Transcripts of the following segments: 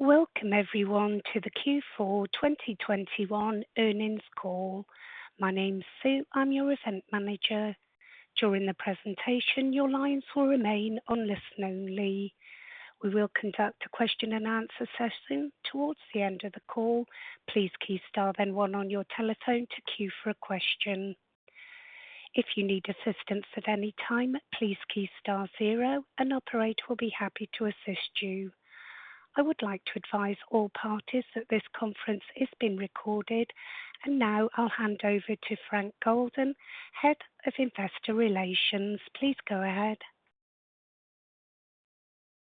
Welcome everyone to the Q4 2021 earnings call. My name's Sue, I'm your event manager. During the presentation, your lines will remain on listen-only. We will conduct a question-and-answer session towards the end of the call. Please key star then one on your telephone to queue for a question. If you need assistance at any time, please key star zero, an operator will be happy to assist you. I would like to advise all parties that this conference is being recorded. Now I'll hand over to Frank Golden, Head of Investor Relations. Please go ahead.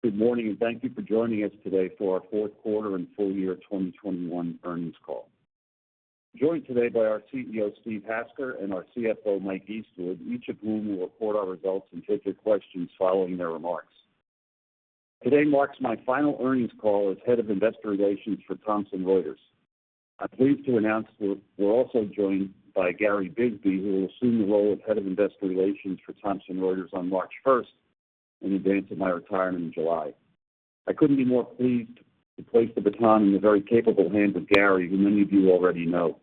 Good morning, and thank you for joining us today for our fourth quarter and full year 2021 earnings call. I'm joined today by our CEO, Steve Hasker, and our CFO, Mike Eastwood, each of whom will report our results and take your questions following their remarks. Today marks my final earnings call as head of investor relations for Thomson Reuters. I'm pleased to announce that we're also joined by Gary Bisbee, who will assume the role of head of investor relations for Thomson Reuters on March first in advance of my retirement in July. I couldn't be more pleased to place the baton in the very capable hands of Gary, who many of you already know.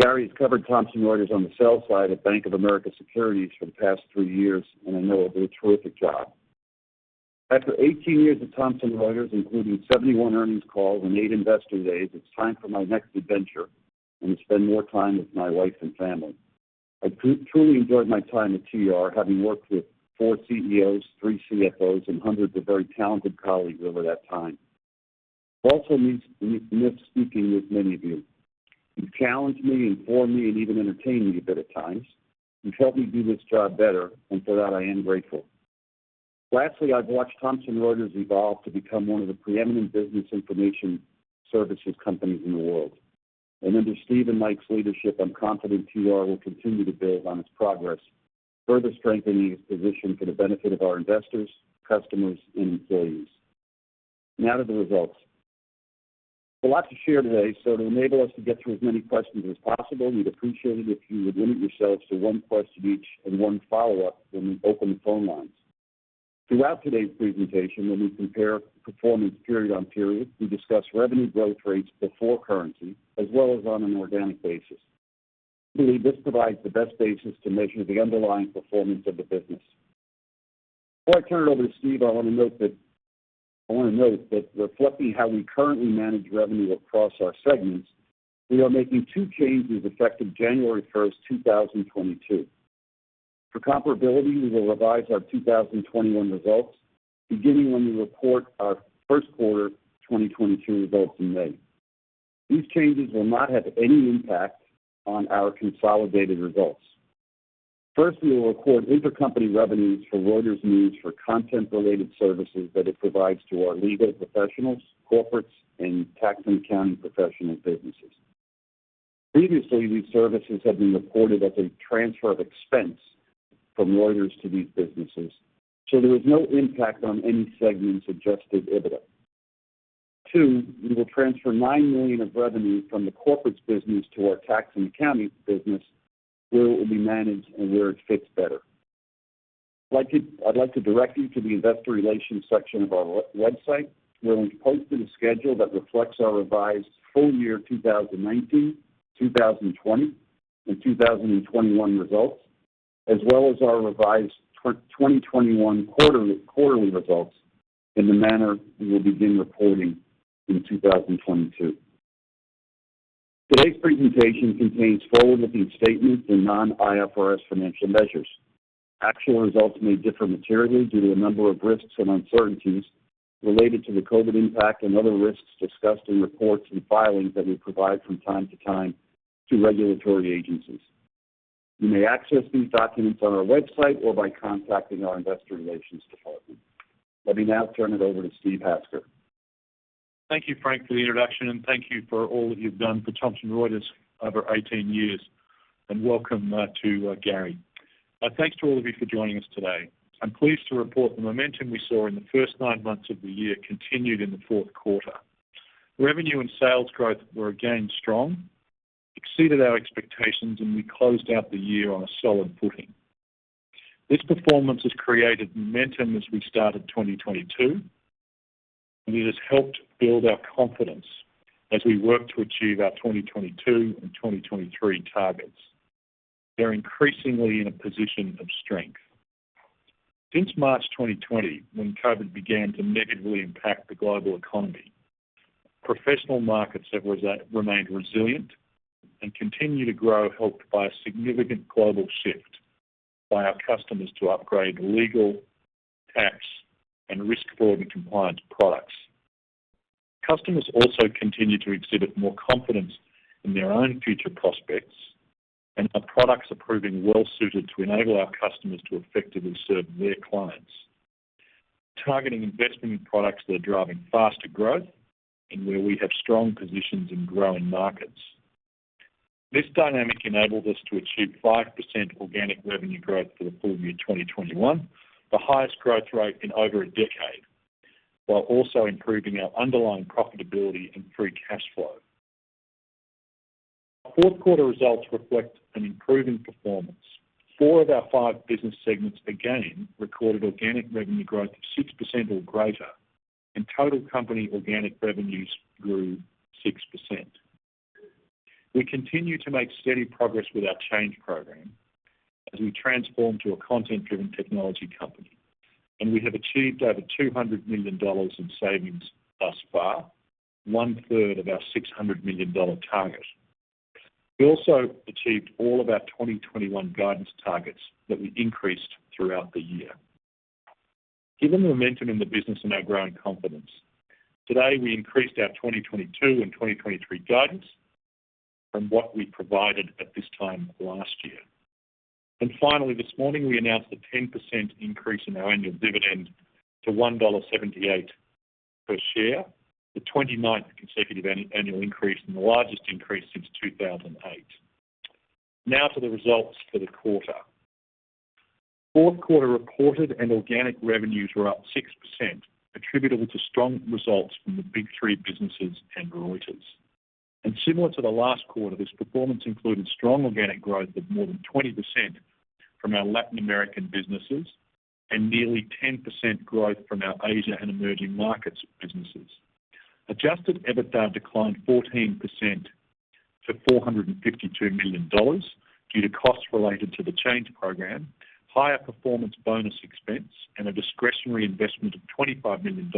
Gary has covered Thomson Reuters on the sales side at Bank of America Securities for the past three years, and I know he'll do a terrific job. After 18 years at Thomson Reuters, including 71 earnings calls and eight investor days, it's time for my next adventure and to spend more time with my wife and family. I truly enjoyed my time at TR, having worked with fourth CEOs, three CFOs and hundreds of very talented colleagues over that time. Also miss speaking with many of you. You've challenged me, informed me, and even entertained me a bit at times. You've helped me do this job better, and for that, I am grateful. Lastly, I've watched Thomson Reuters evolve to become one of the preeminent business information services companies in the world. Under Steve and Mike's leadership, I'm confident TR will continue to build on its progress, further strengthening its position for the benefit of our investors, customers and employees. Now to the results. A lot to share today. To enable us to get through as many questions as possible, we'd appreciate it if you would limit yourselves to one question each and one follow-up when we open the phone lines. Throughout today's presentation, when we compare performance period on period, we discuss revenue growth rates before currency as well as on an organic basis. We believe this provides the best basis to measure the underlying performance of the business. Before I turn it over to Steve, I want to note that reflecting how we currently manage revenue across our segments, we are making two changes effective January 1st, 2022. For comparability, we will revise our 2021 results, beginning when we report our first quarter 2022 results in May. These changes will not have any impact on our consolidated results. First, we will record intercompany revenues for Reuters News for content-related services that it provides to our Legal Professionals, Corporates, and Tax and Accounting Professionals businesses. Previously, these services had been reported as a transfer of expense from Reuters to these businesses, so there was no impact on any segment's adjusted EBITDA. Two, we will transfer $9 million of revenue from the Corporates business to our Tax and Accounting business, where it will be managed and where it fits better. I'd like to direct you to the investor relations section of our website, where we've posted a schedule that reflects our revised full year 2019, 2020 and 2021 results, as well as our revised 2021 quarterly results in the manner we will begin reporting in 2022. Today's presentation contains forward-looking statements and non-IFRS financial measures. Actual results may differ materially due to a number of risks and uncertainties related to the COVID impact and other risks discussed in reports and filings that we provide from time to time to regulatory agencies. You may access these documents on our website or by contacting our investor relations department. Let me now turn it over to Steve Hasker. Thank you, Frank, for the introduction, and thank you for all that you've done for Thomson Reuters over 18 years. Welcome to Gary. Thanks to all of you for joining us today. I'm pleased to report the momentum we saw in the first nine months of the year continued in the fourth quarter. Revenue and sales growth were again strong, exceeded our expectations, and we closed out the year on a solid footing. This performance has created momentum as we started 2022, and it has helped build our confidence as we work to achieve our 2022 and 2023 targets. They're increasingly in a position of strength. Since March 2020, when COVID began to negatively impact the global economy, professional markets have remained resilient and continue to grow, helped by a significant global shift by our customers to upgrade Legal, Tax, and Risk, Fraud, and Compliance products. Customers also continue to exhibit more confidence in their own future prospects, and our products are proving well-suited to enable our customers to effectively serve their clients. Targeting investment in products that are driving faster growth and where we have strong positions in growing markets. This dynamic enabled us to achieve 5% organic revenue growth for the full year 2021, the highest growth rate in over a decade, while also improving our underlying profitability and free cash flow. Our fourth quarter results reflect an improving performance. Four of our five business segments again recorded organic revenue growth of 6% or greater and total company organic revenues grew 6%. We continue to make steady progress with our change program as we transform to a content-driven technology company, and we have achieved over $200 million in savings thus far, one-third of our $600 million target. We also achieved all of our 2021 guidance targets that we increased throughout the year. Given the momentum in the business and our growing confidence, today, we increased our 2022 and 2023 guidance from what we provided at this time last year. Finally, this morning, we announced a 10% increase in our annual dividend to $1.78 per share. The 29th consecutive annual increase and the largest increase since 2008. Now to the results for the quarter. Fourth quarter reported and organic revenues were up 6%, attributable to strong results from the big three businesses and Reuters. Similar to the last quarter, this performance included strong organic growth of more than 20% from our Latin American businesses and nearly 10% growth from our Asia and emerging markets businesses. Adjusted EBITDA declined 14% to $452 million due to costs related to the change program, higher performance bonus expense, and a discretionary investment of $25 million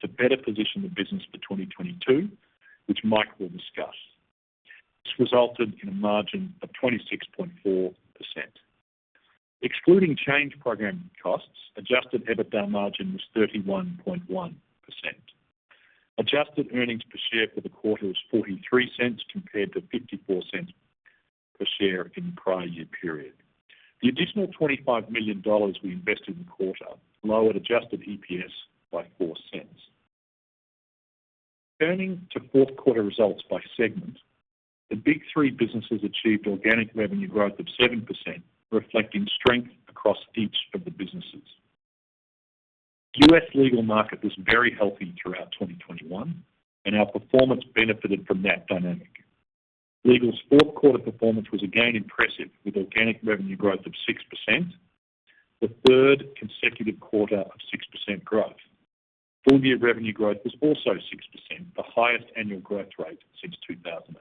to better position the business for 2022, which Mike will discuss. This resulted in a margin of 26.4%. Excluding change program costs, adjusted EBITDA margin was 31.1%. Adjusted earnings per share for the quarter was $0.43 compared to $0.54 per share in the prior year period. The additional $25 million we invested in the quarter lowered adjusted EPS by $0.04. Turning to fourth quarter results by segment, the big three businesses achieved organic revenue growth of 7%, reflecting strength across each of the businesses. U.S. Legal market was very healthy throughout 2021, and our performance benefited from that dynamic. Legal's fourth quarter performance was again impressive with organic revenue growth of 6%, the third consecutive quarter of 6% growth. Full-year revenue growth was also 6%, the highest annual growth rate since 2008.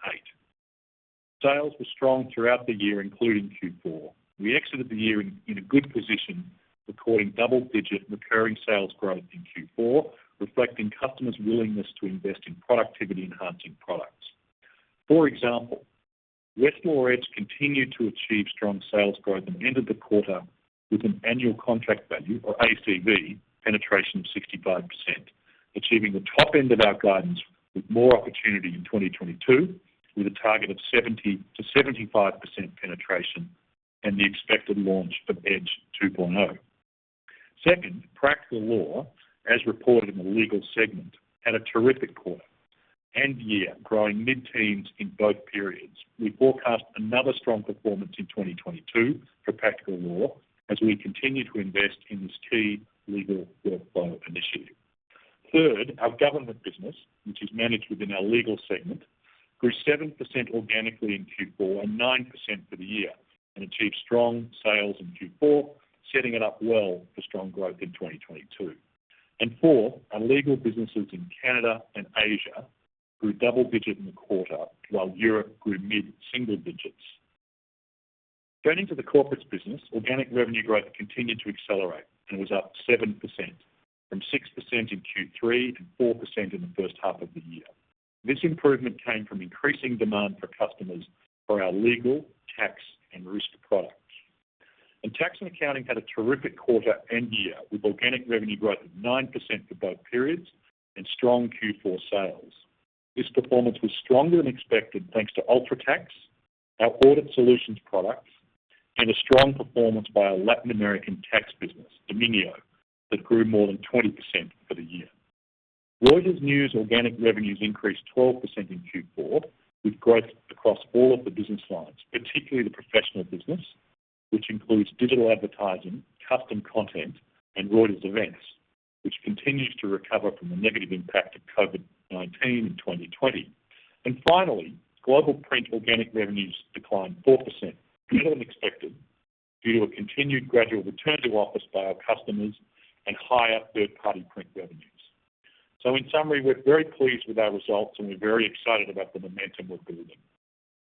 Sales were strong throughout the year, including Q4. We exited the year in a good position, recording double-digit recurring sales growth in Q4, reflecting customers' willingness to invest in productivity-enhancing products. For example, Westlaw Edge continued to achieve strong sales growth and ended the quarter with an Annual Contract Value, or ACV, penetration of 65%, achieving the top end of our guidance with more opportunity in 2022 with a target of 70%-75% penetration and the expected launch of Edge 2.0. Second, Practical Law, as reported in the Legal segment, had a terrific quarter and year, growing mid-teens in both periods. We forecast another strong performance in 2022 for Practical Law as we continue to invest in this key legal workflow initiative. Third, our government business, which is managed within our Legal segment, grew 7% organically in Q4 and 9% for the year and achieved strong sales in Q4, setting it up well for strong growth in 2022. Fourth, our legal businesses in Canada and Asia grew double digits in the quarter while Europe grew mid-single digits. Turning to the Corporates business, organic revenue growth continued to accelerate and was up 7% from 6% in Q3 and 4% in the first half of the year. This improvement came from increasing demand from customers for our Legal, Tax, and Risk products. Tax and Accounting had a terrific quarter and year, with organic revenue growth of 9% for both periods and strong Q4 sales. This performance was stronger than expected, thanks to UltraTax, our audit solutions products, and a strong performance by our Latin American Tax Business, Domínio, that grew more than 20% for the year. Reuters News organic revenues increased 12% in Q4, with growth across all of the business lines, particularly the professional business, which includes digital advertising, custom content, and Reuters Events, which continues to recover from the negative impact of COVID-19 in 2020. Finally, Global Print organic revenues declined 4%, better than expected, due to a continued gradual return to office by our customers and higher third-party print revenues. In summary, we're very pleased with our results, and we're very excited about the momentum we're building.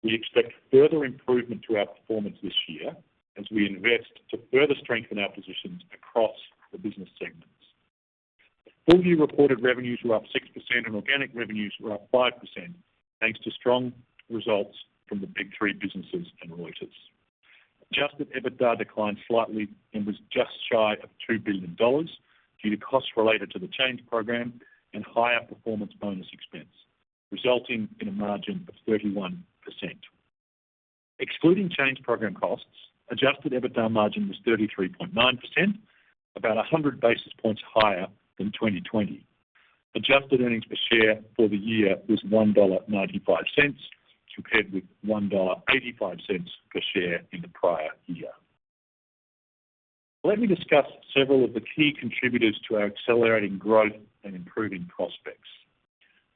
We expect further improvement to our performance this year as we invest to further strengthen our positions across the business segments. Full-year reported revenues were up 6%, and organic revenues were up 5%, thanks to strong results from the big three businesses and Reuters. Adjusted EBITDA declined slightly and was just shy of $2 billion due to costs related to the change program and higher performance bonus expense, resulting in a margin of 31%. Excluding change program costs, adjusted EBITDA margin was 33.9%, about 100 basis points higher than 2020. Adjusted earnings per share for the year was $1.95, compared with $1.85 per share in the prior year. Let me discuss several of the key contributors to our accelerating growth and improving prospects.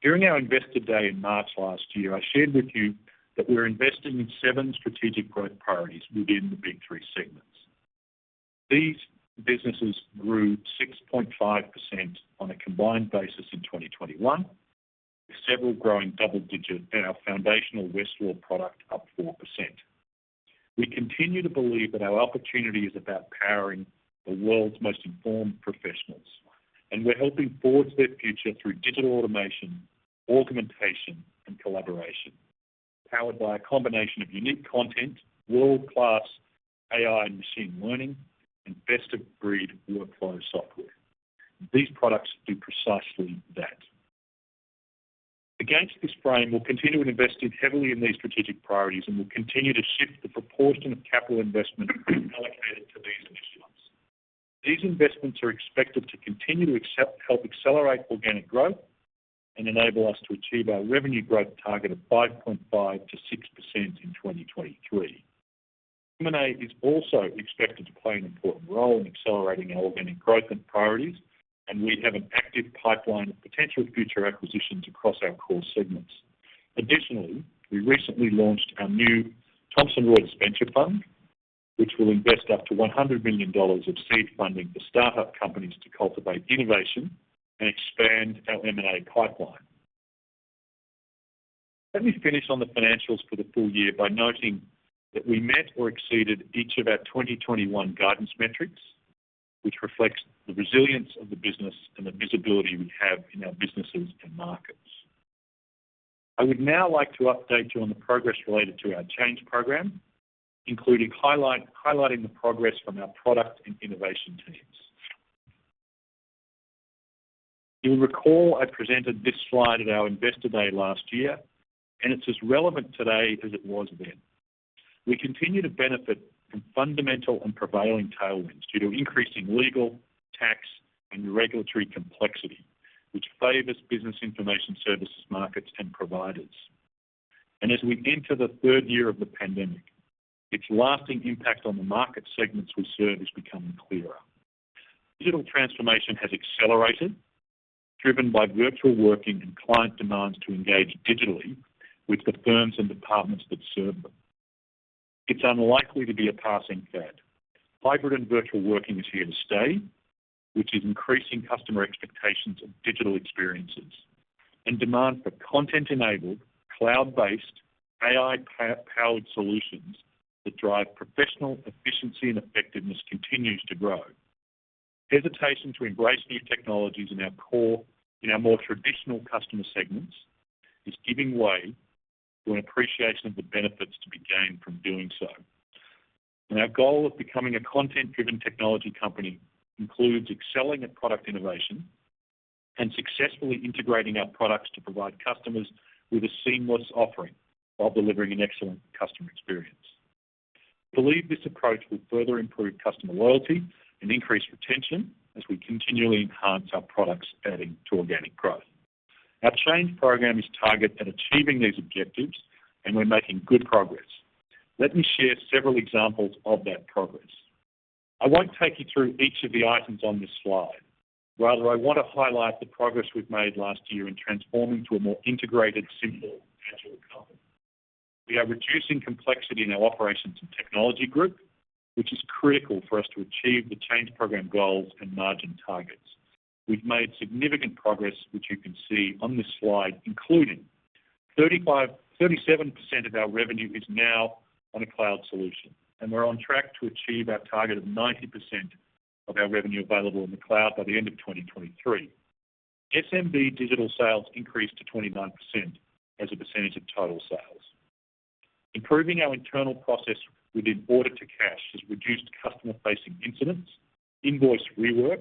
During our Investor Day in March last year, I shared with you that we're investing in seven strategic growth priorities within the Big Three segments. These businesses grew 6.5% on a combined basis in 2021, with several growing double digits and our foundational Westlaw product up 4%. We continue to believe that our opportunity is about powering the world's most informed professionals, and we're helping forge their future through digital automation, augmentation, and collaboration, powered by a combination of unique content, world-class AI and machine learning, and best-of-breed workflow software. These products do precisely that. Against this frame, we'll continue to invest heavily in these strategic priorities, and we'll continue to shift the proportion of capital investment allocated to these initiatives. These investments are expected to continue to help accelerate organic growth and enable us to achieve our revenue growth target of 5.5%-6% in 2023. M&A is also expected to play an important role in accelerating our organic growth and priorities, and we have an active pipeline of potential future acquisitions across our core segments. Additionally, we recently launched our new Thomson Reuters Ventures, which will invest up to $100 million of seed funding for start-up companies to cultivate innovation and expand our M&A pipeline. Let me finish on the financials for the full year by noting that we met or exceeded each of our 2021 guidance metrics, which reflects the resilience of the business and the visibility we have in our businesses and markets. I would now like to update you on the progress related to our change program, including highlighting the progress from our product and innovation teams. You'll recall I presented this slide at our Investor Day last year, and it's as relevant today as it was then. We continue to benefit from fundamental and prevailing tailwinds due to increasing legal, tax, and regulatory complexity, which favors business information services markets and providers. As we enter the third year of the pandemic, its lasting impact on the market segments we serve is becoming clearer. Digital transformation has accelerated, driven by virtual working and client demands to engage digitally with the firms and departments that serve them. It's unlikely to be a passing fad. Hybrid and virtual working is here to stay, which is increasing customer expectations of digital experiences. Demand for content-enabled, cloud-based AI-powered solutions that drive professional efficiency and effectiveness continues to grow. Hesitation to embrace new technologies in our more traditional customer segments is giving way to an appreciation of the benefits to be gained from doing so. Our goal of becoming a content-driven technology company includes excelling at product innovation and successfully integrating our products to provide customers with a seamless offering while delivering an excellent customer experience. We believe this approach will further improve customer loyalty and increase retention as we continually enhance our products adding to organic growth. Our change program is targeted at achieving these objectives, and we're making good progress. Let me share several examples of that progress. I won't take you through each of the items on this slide. Rather, I want to highlight the progress we've made last year in transforming to a more integrated, simpler, agile company. We are reducing complexity in our operations and technology group, which is critical for us to achieve the change program goals and margin targets. We've made significant progress, which you can see on this slide, including 37% of our revenue is now on a cloud solution, and we're on track to achieve our target of 90% of our revenue available in the cloud by the end of 2023. SMB digital sales increased to 29% as a percentage of total sales. Improving our internal process within order to cash has reduced customer-facing incidents, invoice rework,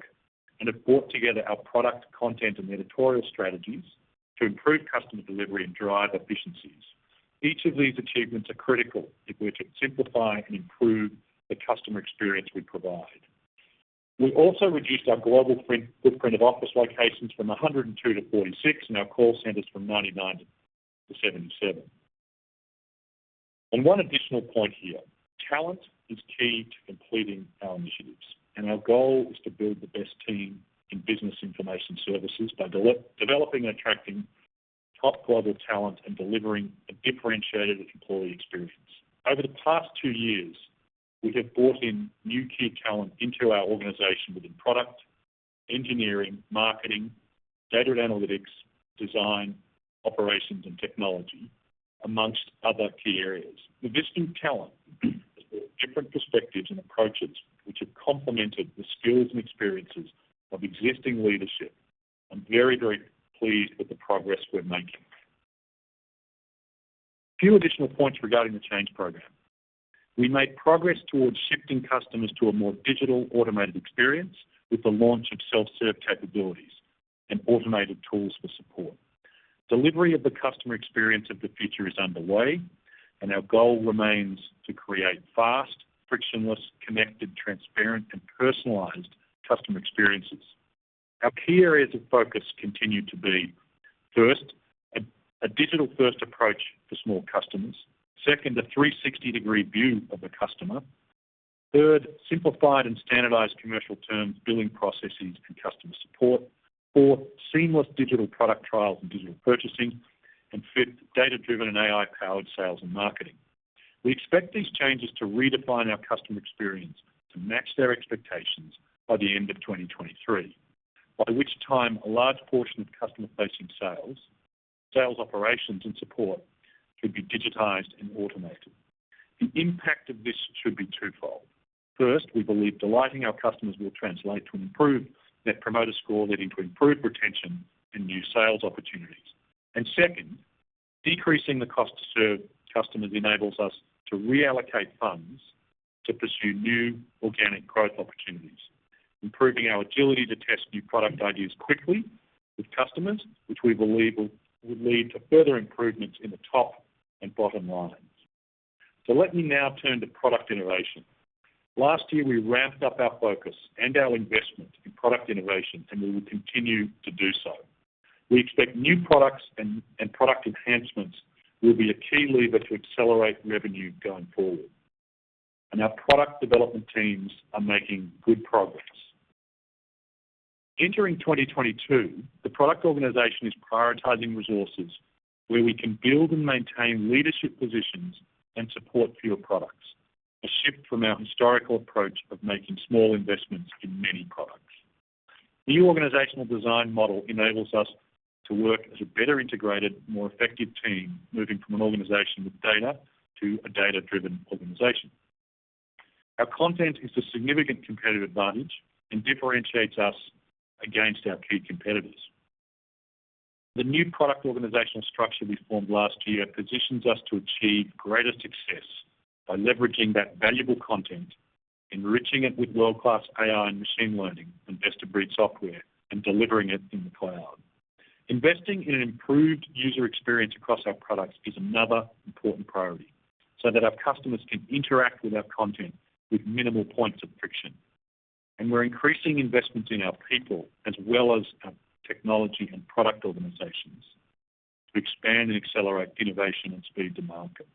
and have brought together our product, content, and editorial strategies to improve customer delivery and drive efficiencies. Each of these achievements are critical if we're to simplify and improve the customer experience we provide. We also reduced our Global Print footprint of office locations from 102 to 46 and our call centers from 99 to 77. One additional point here. Talent is key to completing our initiatives, and our goal is to build the best team in business information services by developing and attracting top global talent and delivering a differentiated employee experience. Over the past two years, we have brought in new key talent into our organization within product, engineering, marketing, data analytics, design, operations, and technology, among other key areas. The distinct talent has brought different perspectives and approaches, which have complemented the skills and experiences of existing leadership. I'm very, very pleased with the progress we're making. A few additional points regarding the change program. We made progress towards shifting customers to a more digital automated experience with the launch of self-serve capabilities and automated tools for support. Delivery of the customer experience of the future is underway, and our goal remains to create fast, frictionless, connected, transparent, and personalized customer experiences. Our key areas of focus continue to be, first, a digital-first approach for small customers. Second, a 360-degree view of the customer. Third, simplified and standardized commercial terms, billing processes, and customer support. Four, seamless digital product trials and digital purchasing. Fifth, data-driven and AI-powered sales and marketing. We expect these changes to redefine our customer experience to match their expectations by the end of 2023, by which time a large portion of customer-facing sales operations, and support should be digitized and automated. The impact of this should be twofold. First, we believe delighting our customers will translate to improved Net Promoter Score, leading to improved retention and new sales opportunities. Second, decreasing the cost to serve customers enables us to reallocate funds to pursue new organic growth opportunities, improving our agility to test new product ideas quickly with customers, which we believe will lead to further improvements in the top and bottom lines. Let me now turn to product innovation. Last year, we ramped up our focus and our investment in product innovation, and we will continue to do so. We expect new products and product enhancements will be a key lever to accelerate revenue going forward. Our product development teams are making good progress. Entering 2022, the product organization is prioritizing resources where we can build and maintain leadership positions and support fewer products, a shift from our historical approach of making small investments in many products. The organizational design model enables us to work as a better integrated, more effective team, moving from an organization with data to a data-driven organization. Our content is a significant competitive advantage and differentiates us against our key competitors. The new product organizational structure we formed last year positions us to achieve greater success by leveraging that valuable content, enriching it with world-class AI and machine learning, and best-of-breed software, and delivering it in the cloud. Investing in an improved user experience across our products is another important priority, so that our customers can interact with our content with minimal points of friction. We're increasing investment in our people as well as our technology and product organizations to expand and accelerate innovation and speed to market.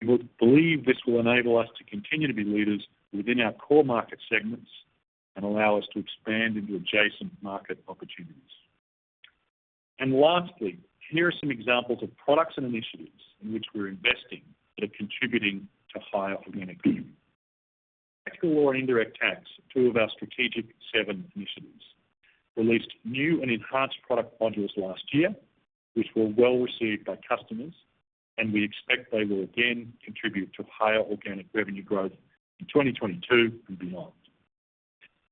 We believe this will enable us to continue to be leaders within our core market segments and allow us to expand into adjacent market opportunities. Lastly, here are some examples of products and initiatives in which we're investing that are contributing to higher organic growth. Pratical Law and Indirect Tax, two of our Strategic Seven initiatives, released new and enhanced product modules last year, which were well received by customers, and we expect they will again contribute to higher organic revenue growth in 2022 and beyond.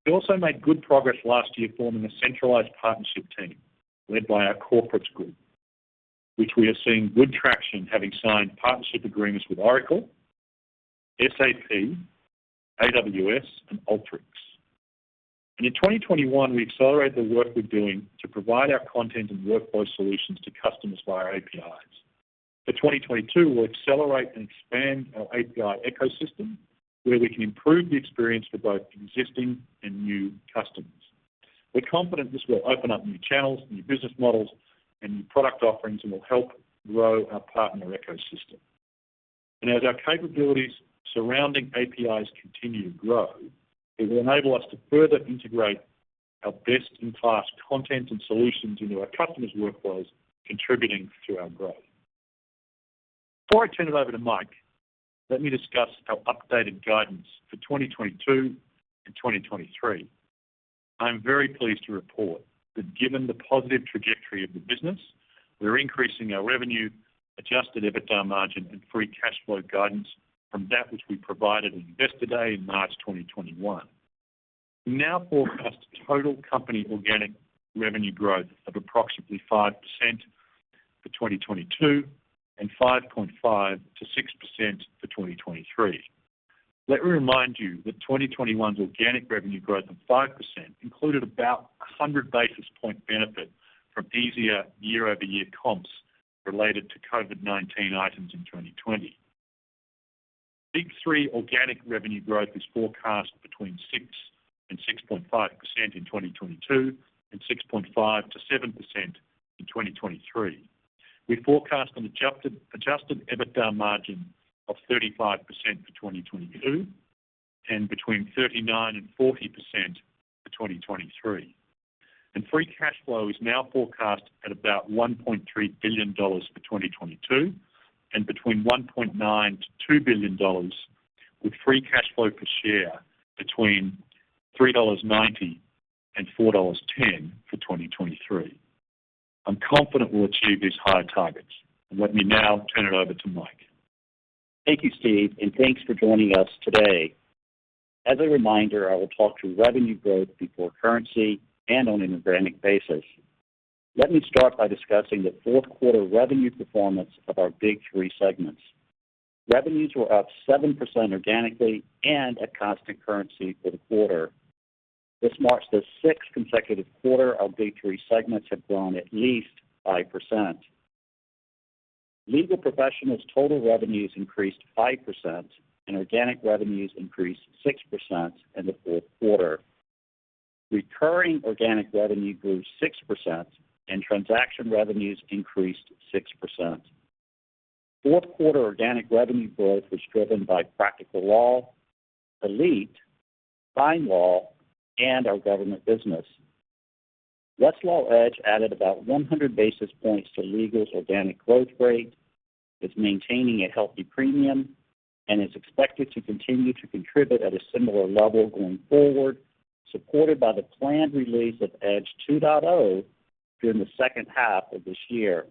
We also made good progress last year forming a centralized partnership team led by our corporates group, in which we are seeing good traction, having signed partnership agreements with Oracle, SAP, AWS, and Alteryx. In 2021, we accelerated the work we're doing to provide our content and workflow solutions to customers via APIs. For 2022, we'll accelerate and expand our API ecosystem, where we can improve the experience for both existing and new customers. We're confident this will open up new channels, new business models, and new product offerings and will help grow our partner ecosystem. As our capabilities surrounding APIs continue to grow, it will enable us to further integrate our best-in-class content and solutions into our customers' workflows, contributing to our growth. Before I turn it over to Mike, let me discuss our updated guidance for 2022 and 2023. I am very pleased to report that given the positive trajectory of the business, we're increasing our revenue, adjusted EBITDA margin, and free cash flow guidance from that which we provided on Investor Day in March 2021. We now forecast total company organic revenue growth of approximately 5% for 2022 and 5.5%-6% for 2023. Let me remind you that 2021's organic revenue growth of 5% included about 100 basis points benefit from easier year-over-year comps related to COVID-19 items in 2020. Big three organic revenue growth is forecast between 6% and 6.5% in 2022 and 6.5%-7% in 2023. We forecast an adjusted EBITDA margin of 35% for 2022 and between 39% and 40% for 2023. Free cash flow is now forecast at about $1.3 billion for 2022 and between $1.9 billion-$2 billion, with free cash flow per share between $3.90 and $4.10 for 2023. I'm confident we'll achieve these higher targets. Let me now turn it over to Mike. Thank you, Steve, and thanks for joining us today. As a reminder, I will talk to revenue growth before currency and on an organic basis. Let me start by discussing the fourth quarter revenue performance of our big three segments. Revenues were up 7% organically and at constant currency for the quarter. This marks the sixth consecutive quarter our big three segments have grown at least 5%. Legal Professionals' total revenues increased 5%, and organic revenues increased 6% in the fourth quarter. Recurring organic revenue grew 6%, and transaction revenues increased 6%. Fourth quarter organic revenue growth was driven by Practical Law, Elite, FindLaw, and our government business. Westlaw Edge added about 100 basis points to Legal's organic growth rate. It's maintaining a healthy premium and is expected to continue to contribute at a similar level going forward, supported by the planned release of Edge 2.0 during the second half of this year.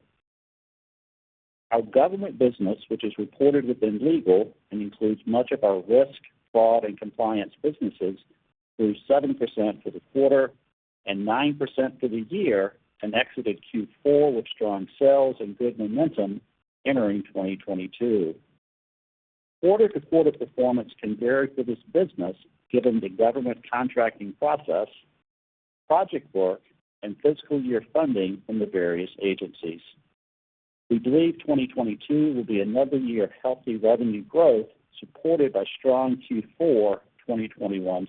Our government business, which is reported within Legal and includes much of our Risk, Fraud, and Compliance businesses, grew 7% for the quarter and 9% for the year, and exited Q4 with strong sales and good momentum entering 2022. Quarter-to-quarter performance can vary for this business given the government contracting process, project work, and fiscal year funding from the various agencies. We believe 2022 will be another year of healthy revenue growth, supported by strong Q4 2021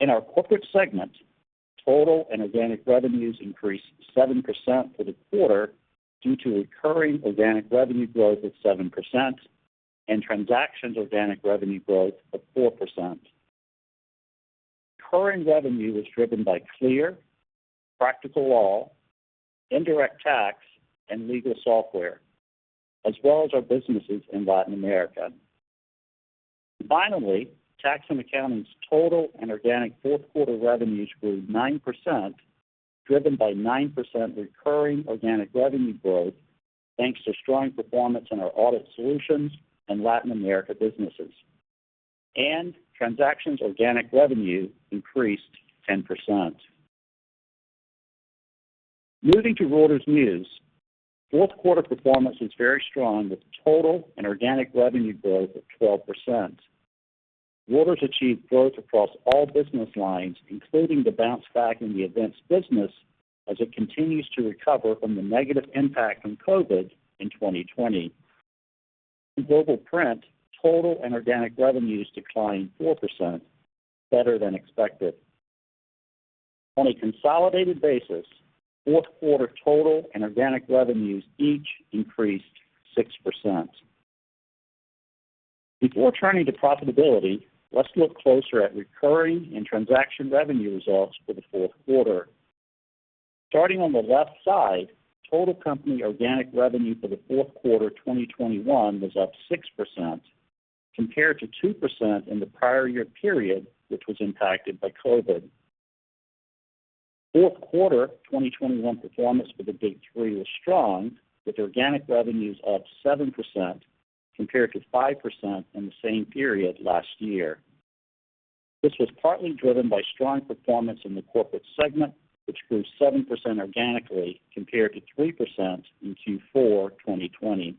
sales. In our corporate segment, total and organic revenues increased 7% for the quarter due to recurring organic revenue growth of 7% and transactions organic revenue growth of 4%. Recurring revenue was driven by CLEAR, Practical Law, Indirect Tax, and Legal Software, as well as our businesses in Latin America. Finally, Tax and Accounting's total and organic fourth quarter revenues grew 9%, driven by 9% recurring organic revenue growth, thanks to strong performance in our Audit Solutions and Latin America businesses. Transactions organic revenue increased 10%. Moving to Reuters News, fourth quarter performance was very strong with total and organic revenue growth of 12%. Reuters achieved growth across all business lines, including the bounce back in the events business as it continues to recover from the negative impact from COVID in 2020. In Global Print, total and organic revenues declined 4%, better than expected. On a consolidated basis, fourth quarter total and organic revenues each increased 6%. Before turning to profitability, let's look closer at recurring and transaction revenue results for the fourth quarter. Starting on the left side, total company organic revenue for the fourth quarter 2021 was up 6% compared to 2% in the prior year period, which was impacted by COVID. Fourth quarter 2021 performance for the Big three was strong, with organic revenues up 7% compared to 5% in the same period last year. This was partly driven by strong performance in the Corporates segment, which grew 7% organically compared to 3% in Q4 2020.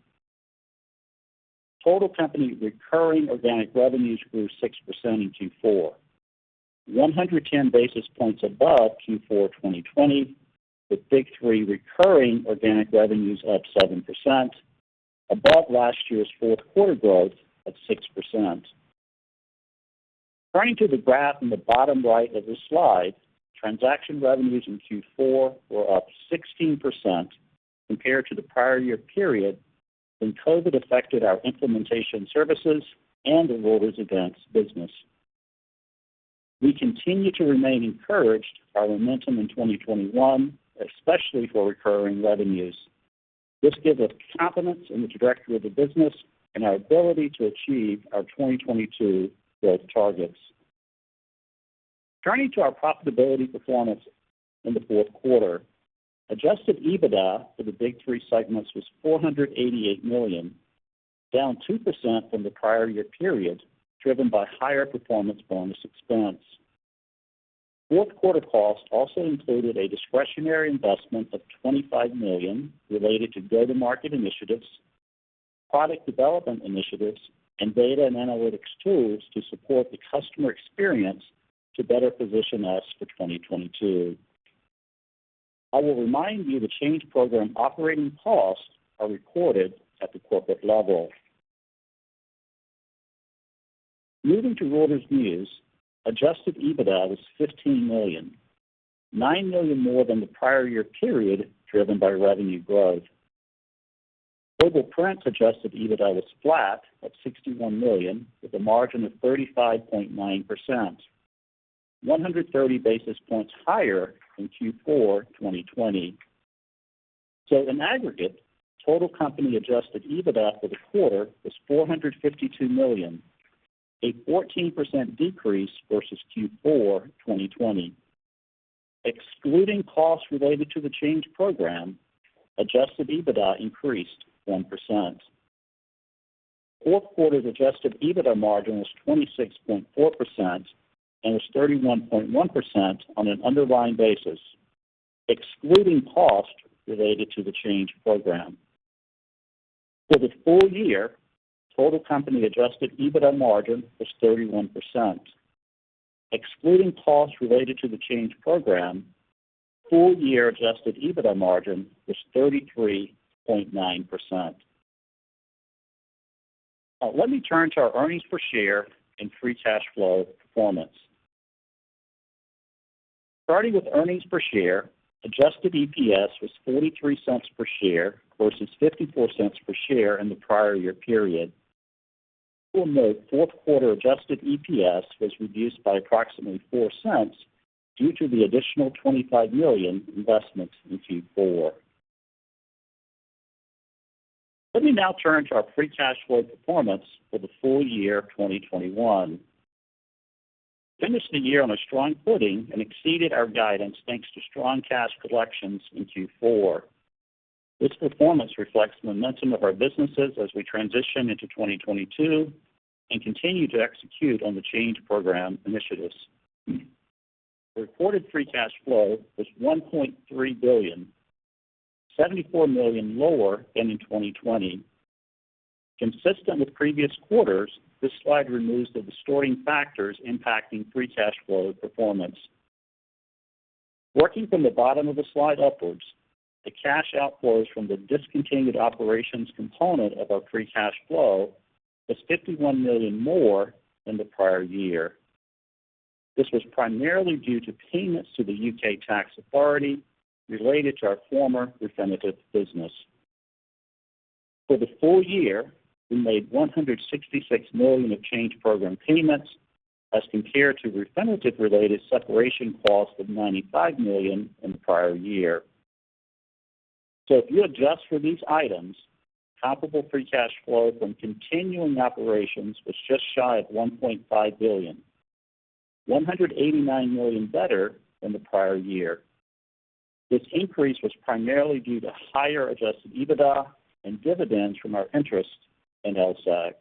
Total company recurring organic revenues grew 6% in Q4, 110 basis points above Q4 2020, with Big Three recurring organic revenues up 7%, above last year's fourth quarter growth of 6%. Turning to the graph in the bottom right of this slide, transaction revenues in Q4 were up 16% compared to the prior year period when COVID-19 affected our implementation services and the Reuters events business. We continue to remain encouraged by momentum in 2021, especially for recurring revenues. This gives us confidence in the trajectory of the business and our ability to achieve our 2022 growth targets. Turning to our profitability performance in the fourth quarter, adjusted EBITDA for the Big Three segments was $488 million, down 2% from the prior year period, driven by higher performance bonus expense. Fourth quarter cost also included a discretionary investment of $25 million related to go-to-market initiatives, product development initiatives, and data and analytics tools to support the customer experience to better position us for 2022. I will remind you that the change program operating costs are recorded at the corporate level. Moving to Reuters News, adjusted EBITDA was $15 million, $9 million more than the prior year period driven by revenue growth. Global Print's adjusted EBITDA was flat at $61 million, with a margin of 35.9%, 130 basis points higher than Q4 2020. In aggregate, total company adjusted EBITDA for the quarter was $452 million, a 14% decrease versus Q4 2020. Excluding costs related to the change program, adjusted EBITDA increased 1%. Fourth quarter's adjusted EBITDA margin was 26.4% and was 31.1% on an underlying basis, excluding cost related to the change program. For the full year, total company adjusted EBITDA margin was 31%. Excluding costs related to the Change Program, full-year adjusted EBITDA margin was 33.9%. Now let me turn to our earnings per share and free cash flow performance. Starting with earnings per share, adjusted EPS was $0.43 per share versus $0.54 per share in the prior year period. You will note fourth quarter adjusted EPS was reduced by approximately $0.04 due to the additional $25 million investments in Q4. Let me now turn to our free cash flow performance for the full year 2021. Finished the year on a strong footing and exceeded our guidance thanks to strong cash collections in Q4. This performance reflects the momentum of our businesses as we transition into 2022 and continue to execute on the Change Program initiatives. The reported free cash flow was $1.3 billion, $74 million lower than in 2020. Consistent with previous quarters, this slide removes the distorting factors impacting free cash flow performance. Working from the bottom of the slide upwards, the cash outflows from the discontinued operations component of our free cash flow was $51 million more than the prior year. This was primarily due to payments to the U.K. tax authority related to our former Refinitiv business. For the full year, we made $166 million of Change Program payments as compared to Refinitiv-related separation costs of $95 million in the prior year. If you adjust for these items, comparable free cash flow from continuing operations was just shy of $1.5 billion, $189 million better than the prior year. This increase was primarily due to higher adjusted EBITDA and dividends from our interest in LSEG.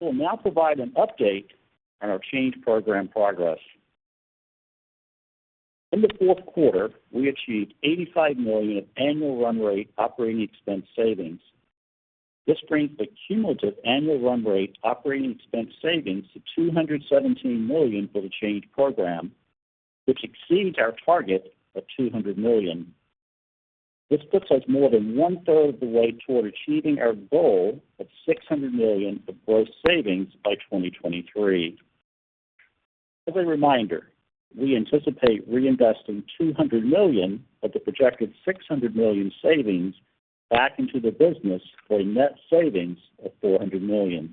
I will now provide an update on our Change Program progress. In the fourth quarter, we achieved $85 million of annual run rate operating expense savings. This brings the cumulative annual run rate operating expense savings to $217 million for the Change Program, which exceeds our target of $200 million. This puts us more than one-third of the way toward achieving our goal of $600 million of gross savings by 2023. As a reminder, we anticipate reinvesting $200 million of the projected $600 million savings back into the business for a net savings of $400 million.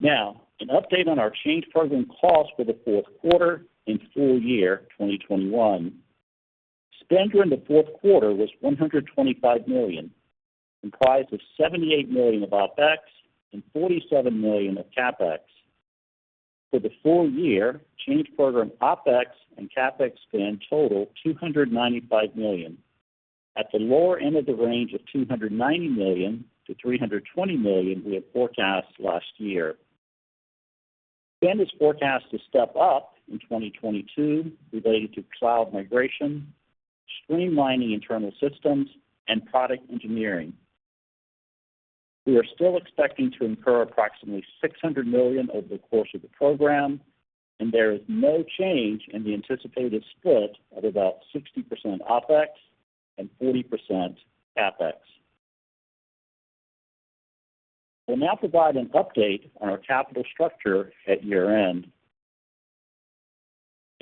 Now, an update on our Change Program costs for the fourth quarter and full year 2021. Spend during the fourth quarter was $125 million, comprised of $78 million of OpEx and $47 million of CapEx. For the full year, Change Program OpEx and CapEx spend totaled $295 million at the lower end of the range of $290 million-$320 million we had forecast last year. Spend is forecast to step up in 2022 related to cloud migration, streamlining internal systems, and product engineering. We are still expecting to incur approximately $600 million over the course of the program, and there is no change in the anticipated split of about 60% OpEx and 40% CapEx. We'll now provide an update on our capital structure at year-end.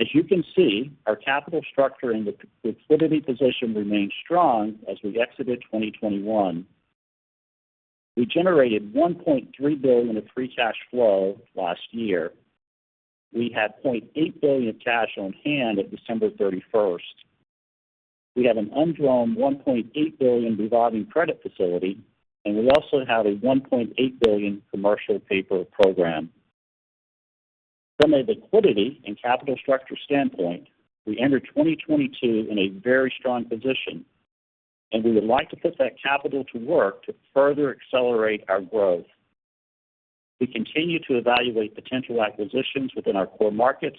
As you can see, our capital structure and the liquidity position remained strong as we exited 2021. We generated $1.3 billion of free cash flow last year. We had $0.8 billion of cash on hand at December 31st. We have an undrawn $1.8 billion revolving credit facility, and we also have a $1.8 billion commercial paper program. From a liquidity and capital structure standpoint, we enter 2022 in a very strong position, and we would like to put that capital to work to further accelerate our growth. We continue to evaluate potential acquisitions within our core markets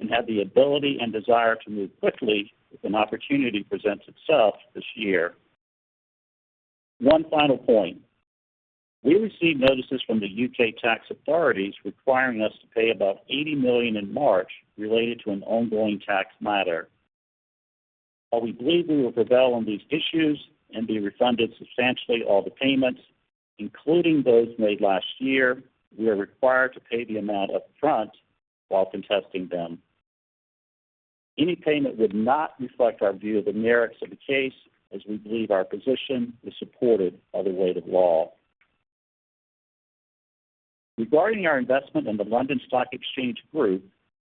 and have the ability and desire to move quickly if an opportunity presents itself this year. One final point. We received notices from the U.K. tax authorities requiring us to pay about $80 million in March related to an ongoing tax matter. While we believe we will prevail on these issues and be refunded substantially all the payments, including those made last year, we are required to pay the amount up front while contesting them. Any payment would not reflect our view of the merits of the case as we believe our position is supported by the weight of law. Regarding our investment in the London Stock Exchange Group,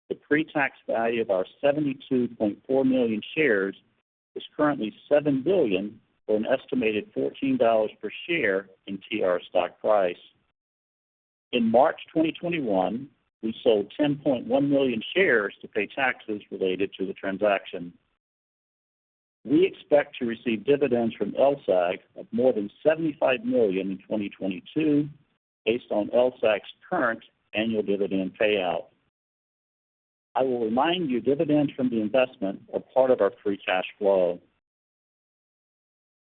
the Pre-tax value of our 72.4 million shares is currently $7 billion or an estimated $14 per share in TR stock price. In March 2021, we sold 10.1 million shares to pay taxes related to the transaction. We expect to receive dividends from LSEG of more than $75 million in 2022 based on LSEG's current annual dividend payout. I will remind you dividends from the investment are part of our free cash flow.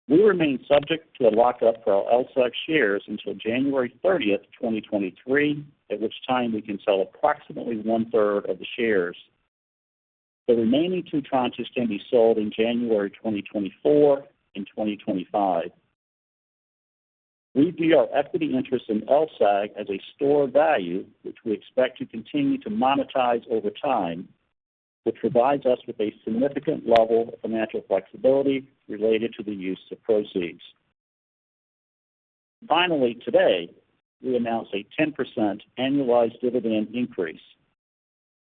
We remain subject to a lock-up for our LSEG shares until January 30th, 2023, at which time we can sell approximately one-third of the shares. The remaining two tranches can be sold in January 2024 and 2025. We view our equity interest in LSEG as a store of value, which we expect to continue to monetize over time, which provides us with a significant level of financial flexibility related to the use of proceeds. Finally, today, we announced a 10% annualized dividend increase,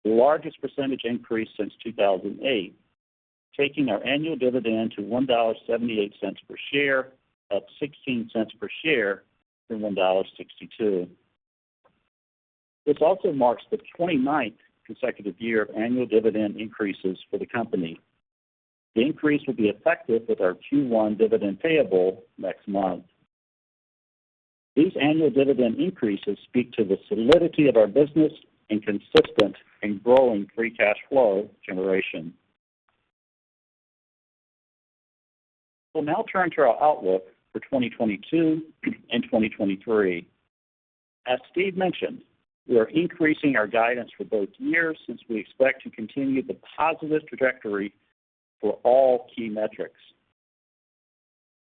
the largest percentage increase since 2008, taking our annual dividend to $1.78 per share, up 16 cents per share from $1.62. This also marks the 29th consecutive year of annual dividend increases for the company. The increase will be effective with our Q1 dividend payable next month. These annual dividend increases speak to the solidity of our business and consistent and growing free cash flow generation. We'll now turn to our outlook for 2022 and 2023. As Steve mentioned, we are increasing our guidance for both years since we expect to continue the positive trajectory for all key metrics.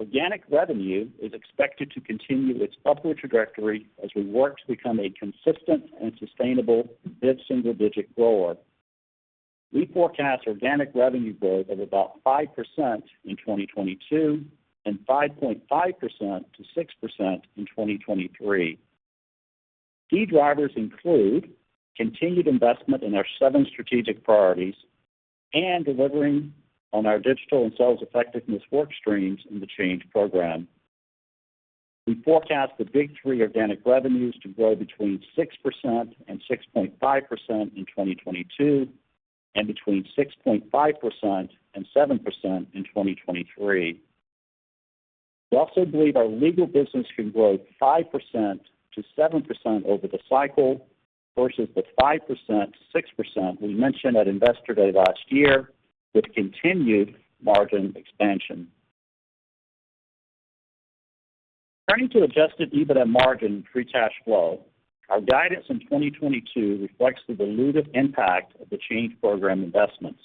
Organic revenue is expected to continue its upward trajectory as we work to become a consistent and sustainable mid-single-digit grower. We forecast organic revenue growth of about 5% in 2022 and 5.5%-6% in 2023. Key drivers include continued investment in our seven strategic priorities and delivering on our digital and sales effectiveness work streams in the Change Program. We forecast the big three organic revenues to grow between 6%-6.5% in 2022, and between 6.5%-7% in 2023. We also believe our legal business can grow 5%-7% over the cycle versus the 5%-6% we mentioned at Investor Day last year with continued margin expansion. Turning to adjusted EBITDA margin free cash flow, our guidance in 2022 reflects the dilutive impact of the Change Program investments.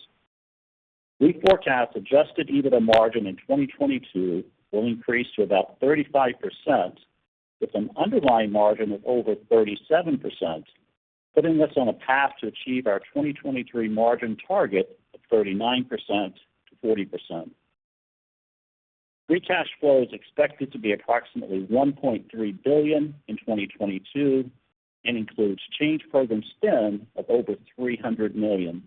We forecast adjusted EBITDA margin in 2022 will increase to about 35%, with an underlying margin of over 37%, putting us on a path to achieve our 2023 margin target of 39%-40%. Free cash flow is expected to be approximately $1.3 billion in 2022 and includes Change Program spend of over $300 million.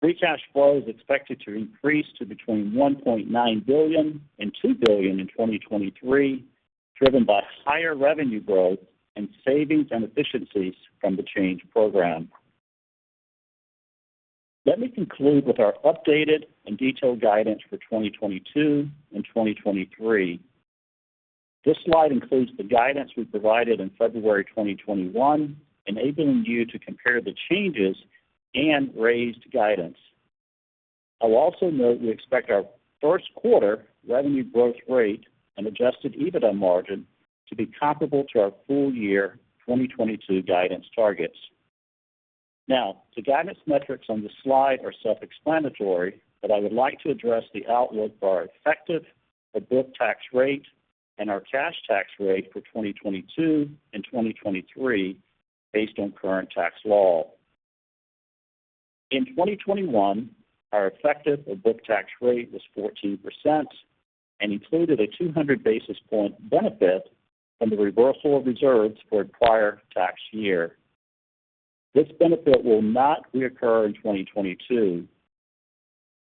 Free cash flow is expected to increase to between $1.9 billion and $2 billion in 2023, driven by higher revenue growth and savings and efficiencies from the Change Program. Let me conclude with our updated and detailed guidance for 2022 and 2023. This slide includes the guidance we provided in February 2021, enabling you to compare the changes and raised guidance. I'll also note we expect our first quarter revenue growth rate and adjusted EBITDA margin to be comparable to our full year 2022 guidance targets. Now, the guidance metrics on this slide are self-explanatory, but I would like to address the outlook for our effective or book tax rate and our cash tax rate for 2022 and 2023 based on current tax law. In 2021, our effective or book tax rate was 14% and included a 200 basis point benefit from the reversal of reserves for a prior tax year. This benefit will not reoccur in 2022.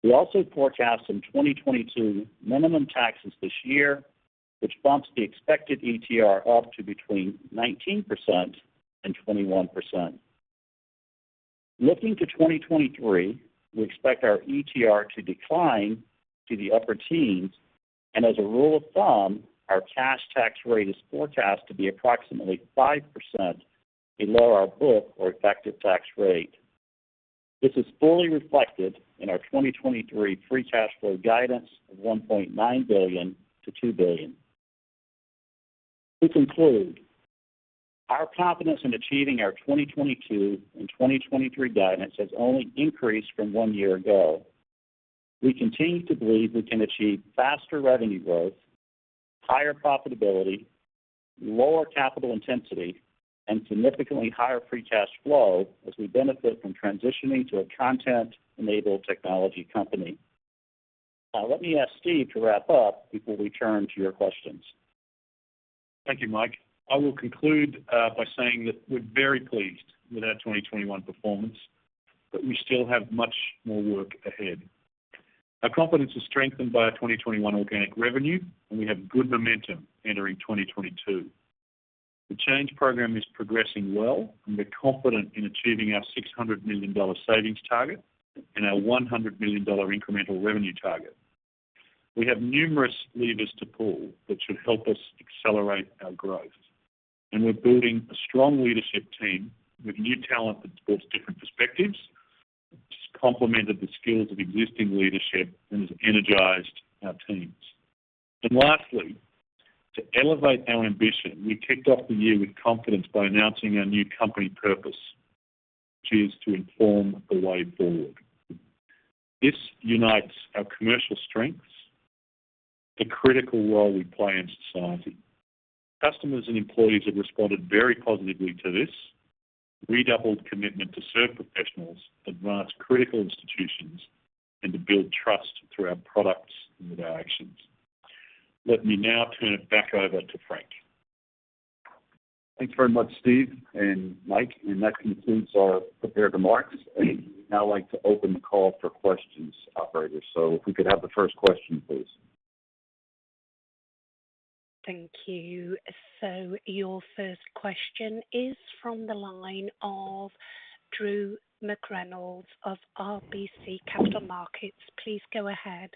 We also forecast in 2022 minimum taxes this year, which bumps the expected ETR up to between 19% and 21%. Looking to 2023, we expect our ETR to decline to the upper teens. As a rule of thumb, our cash tax rate is forecast to be approximately 5% below our book or effective tax rate. This is fully reflected in our 2023 free cash flow guidance of $1.9 billion-$2 billion. To conclude, our confidence in achieving our 2022 and 2023 guidance has only increased from one year ago. We continue to believe we can achieve faster revenue growth, higher profitability, lower capital intensity, and significantly higher free cash flow as we benefit from transitioning to a content-enabled technology company. Now, let me ask Steve to wrap up before we turn to your questions. Thank you, Mike. I will conclude by saying that we're very pleased with our 2021 performance, but we still have much more work ahead. Our confidence is strengthened by our 2021 organic revenue, and we have good momentum entering 2022. The Change Program is progressing well, and we're confident in achieving our $600 million savings target and our $100 million incremental revenue target. We have numerous levers to pull that should help us accelerate our growth. We're building a strong leadership team with new talent that supports different perspectives, which has complemented the skills of existing leadership and has energized our teams. Lastly, to elevate our ambition, we kicked off the year with confidence by announcing our new company purpose, which is to inform the way forward. This unites our commercial strengths, the critical role we play in society. Customers and employees have responded very positively to this redoubled commitment to serve professionals, advance critical institutions, and to build trust through our products and with our actions. Let me now turn it back over to Frank. Thanks very much, Steve and Mike. That concludes our prepared remarks. We'd now like to open the call for questions. Operator, if we could have the first question, please. Thank you. Your first question is from the line of Drew McReynolds of RBC Capital Markets. Please go ahead.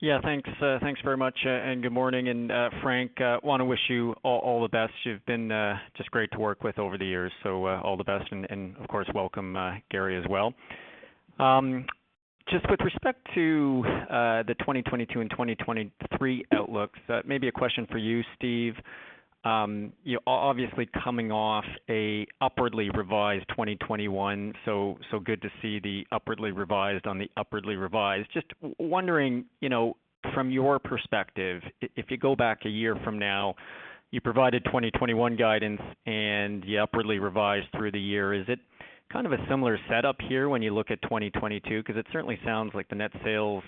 Yeah, thanks. Thanks very much, and good morning. Frank, I want to wish you all the best. You've been just great to work with over the years, so all the best, and of course, welcome Gary as well. Just with respect to the 2022 and 2023 outlooks, maybe a question for you, Steve. Obviously coming off a upwardly revised 2021, so good to see the upwardly revised on the upwardly revised. Just wondering, you know, from your perspective, if you go back a year from now, you provided 2021 guidance and you upwardly revised through the year. Is it kind of a similar setup here when you look at 2022? Because it certainly sounds like the net sales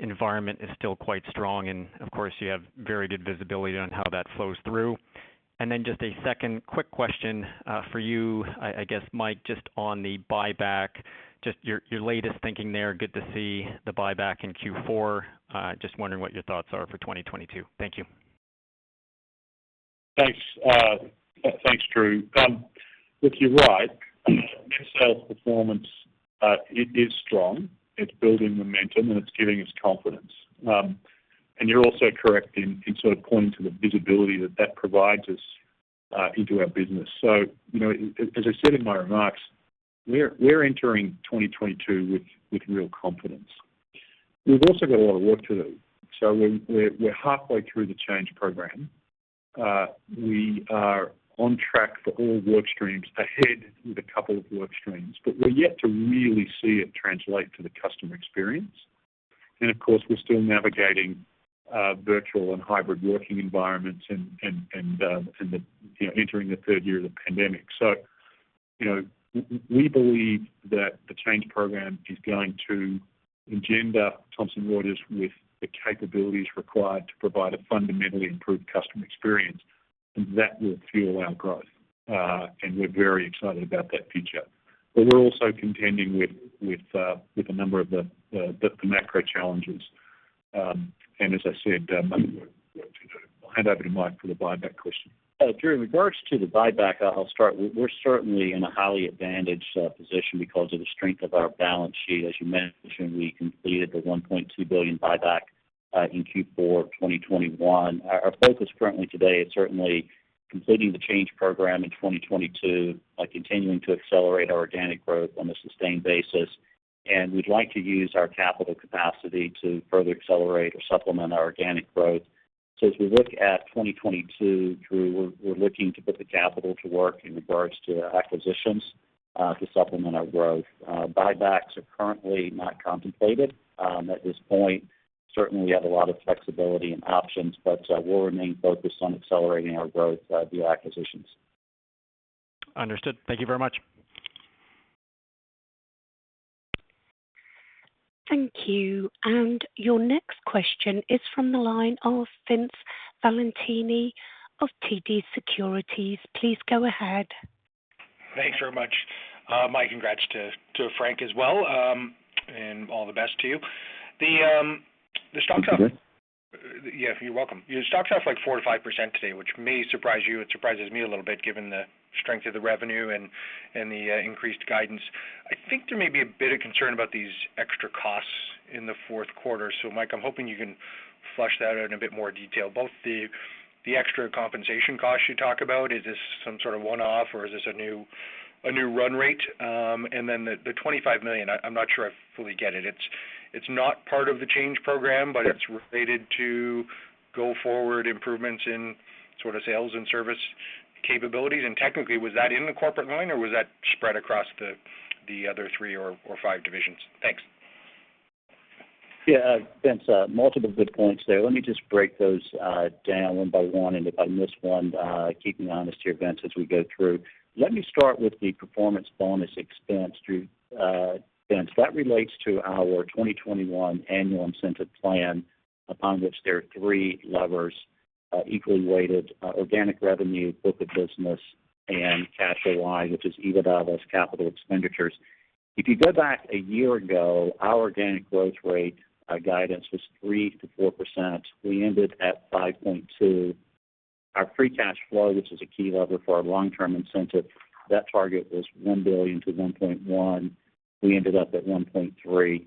environment is still quite strong, and of course, you have very good visibility on how that flows through. Just a second quick question for you, I guess, Mike, just on the buyback, just your latest thinking there. Good to see the buyback in Q4. Just wondering what your thoughts are for 2022. Thank you. Thanks. Thanks, Drew. Look, you're right. Net sales performance is strong. It's building momentum, and it's giving us confidence. And you're also correct in sort of pointing to the visibility that that provides us into our business. So, you know, as I said in my remarks, we're entering 2022 with real confidence. We've also got a lot of work to do. So we're halfway through the change program. We are on track for all work streams ahead with a couple of work streams, but we're yet to really see it translate to the customer experience. And of course, we're still navigating virtual and hybrid working environments and entering the third year of the pandemic. You know, we believe that the change program is going to engender Thomson Reuters with the capabilities required to provide a fundamentally improved customer experience, and that will fuel our growth. We're very excited about that future. We're also contending with a number of the macro challenges. As I said, we've got work to do. I'll hand over to Mike for the buyback question. Drew, in regards to the buyback, I'll start. We're certainly in a highly advantaged position because of the strength of our balance sheet. As you mentioned, we completed the $1.2 billion buyback in Q4 of 2021. Our focus currently today is certainly completing the change program in 2022, continuing to accelerate our organic growth on a sustained basis. We'd like to use our capital capacity to further accelerate or supplement our organic growth. As we look at 2022, Drew, we're looking to put the capital to work in regards to acquisitions to supplement our growth. Buybacks are currently not contemplated at this point. Certainly, we have a lot of flexibility and options, but we'll remain focused on accelerating our growth via acquisitions. Understood. Thank you very much. Thank you. Your next question is from the line of Vince Valentini of TD Securities. Please go ahead. Thanks very much. Mike, congrats to Frank as well, and all the best to you. The stock's up- Thank you. Yeah, you're welcome. The stock's up like 4%-5% today, which may surprise you. It surprises me a little bit, given the strength of the revenue and the increased guidance. I think there may be a bit of concern about these extra costs in the fourth quarter. Mike, I'm hoping you can flush that out in a bit more detail, both the extra compensation costs you talk about. Is this some sort of one-off or is this a new run rate? And then the $25 million, I'm not sure I fully get it. It's not part of the change program, but it's related to go-forward improvements in sort of sales and service capabilities. Technically, was that in the corporate line or was that spread across the other three or five divisions? Thanks. Yeah, Vince, multiple good points there. Let me just break those down one by one, and if I miss one, keep me honest here, Vince, as we go through. Let me start with the performance bonus expense, Vince. That relates to our 2021 annual incentive plan, upon which there are three levers, equally weighted organic revenue, book of business, and cash OI, which is EBITDA less capital expenditures. If you go back a year ago, our organic growth rate guidance was 3%-4%. We ended at 5.2%. Our free cash flow, which is a key lever for our long-term incentive, that target was $1 billion-$1.1 billion. We ended up at $1.3 billion.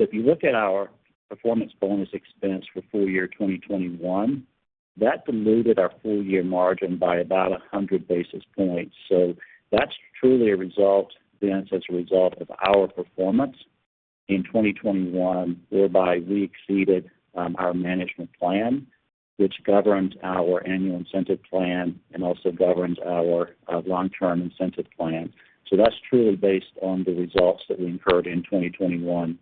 If you look at our performance bonus expense for full year 2021, that diluted our full year margin by about 100 basis points. That's truly a result, Vince, as a result of our performance in 2021, whereby we exceeded our management plan, which governs our annual incentive plan and also governs our long-term incentive plan. That's truly based on the results that we incurred in 2021.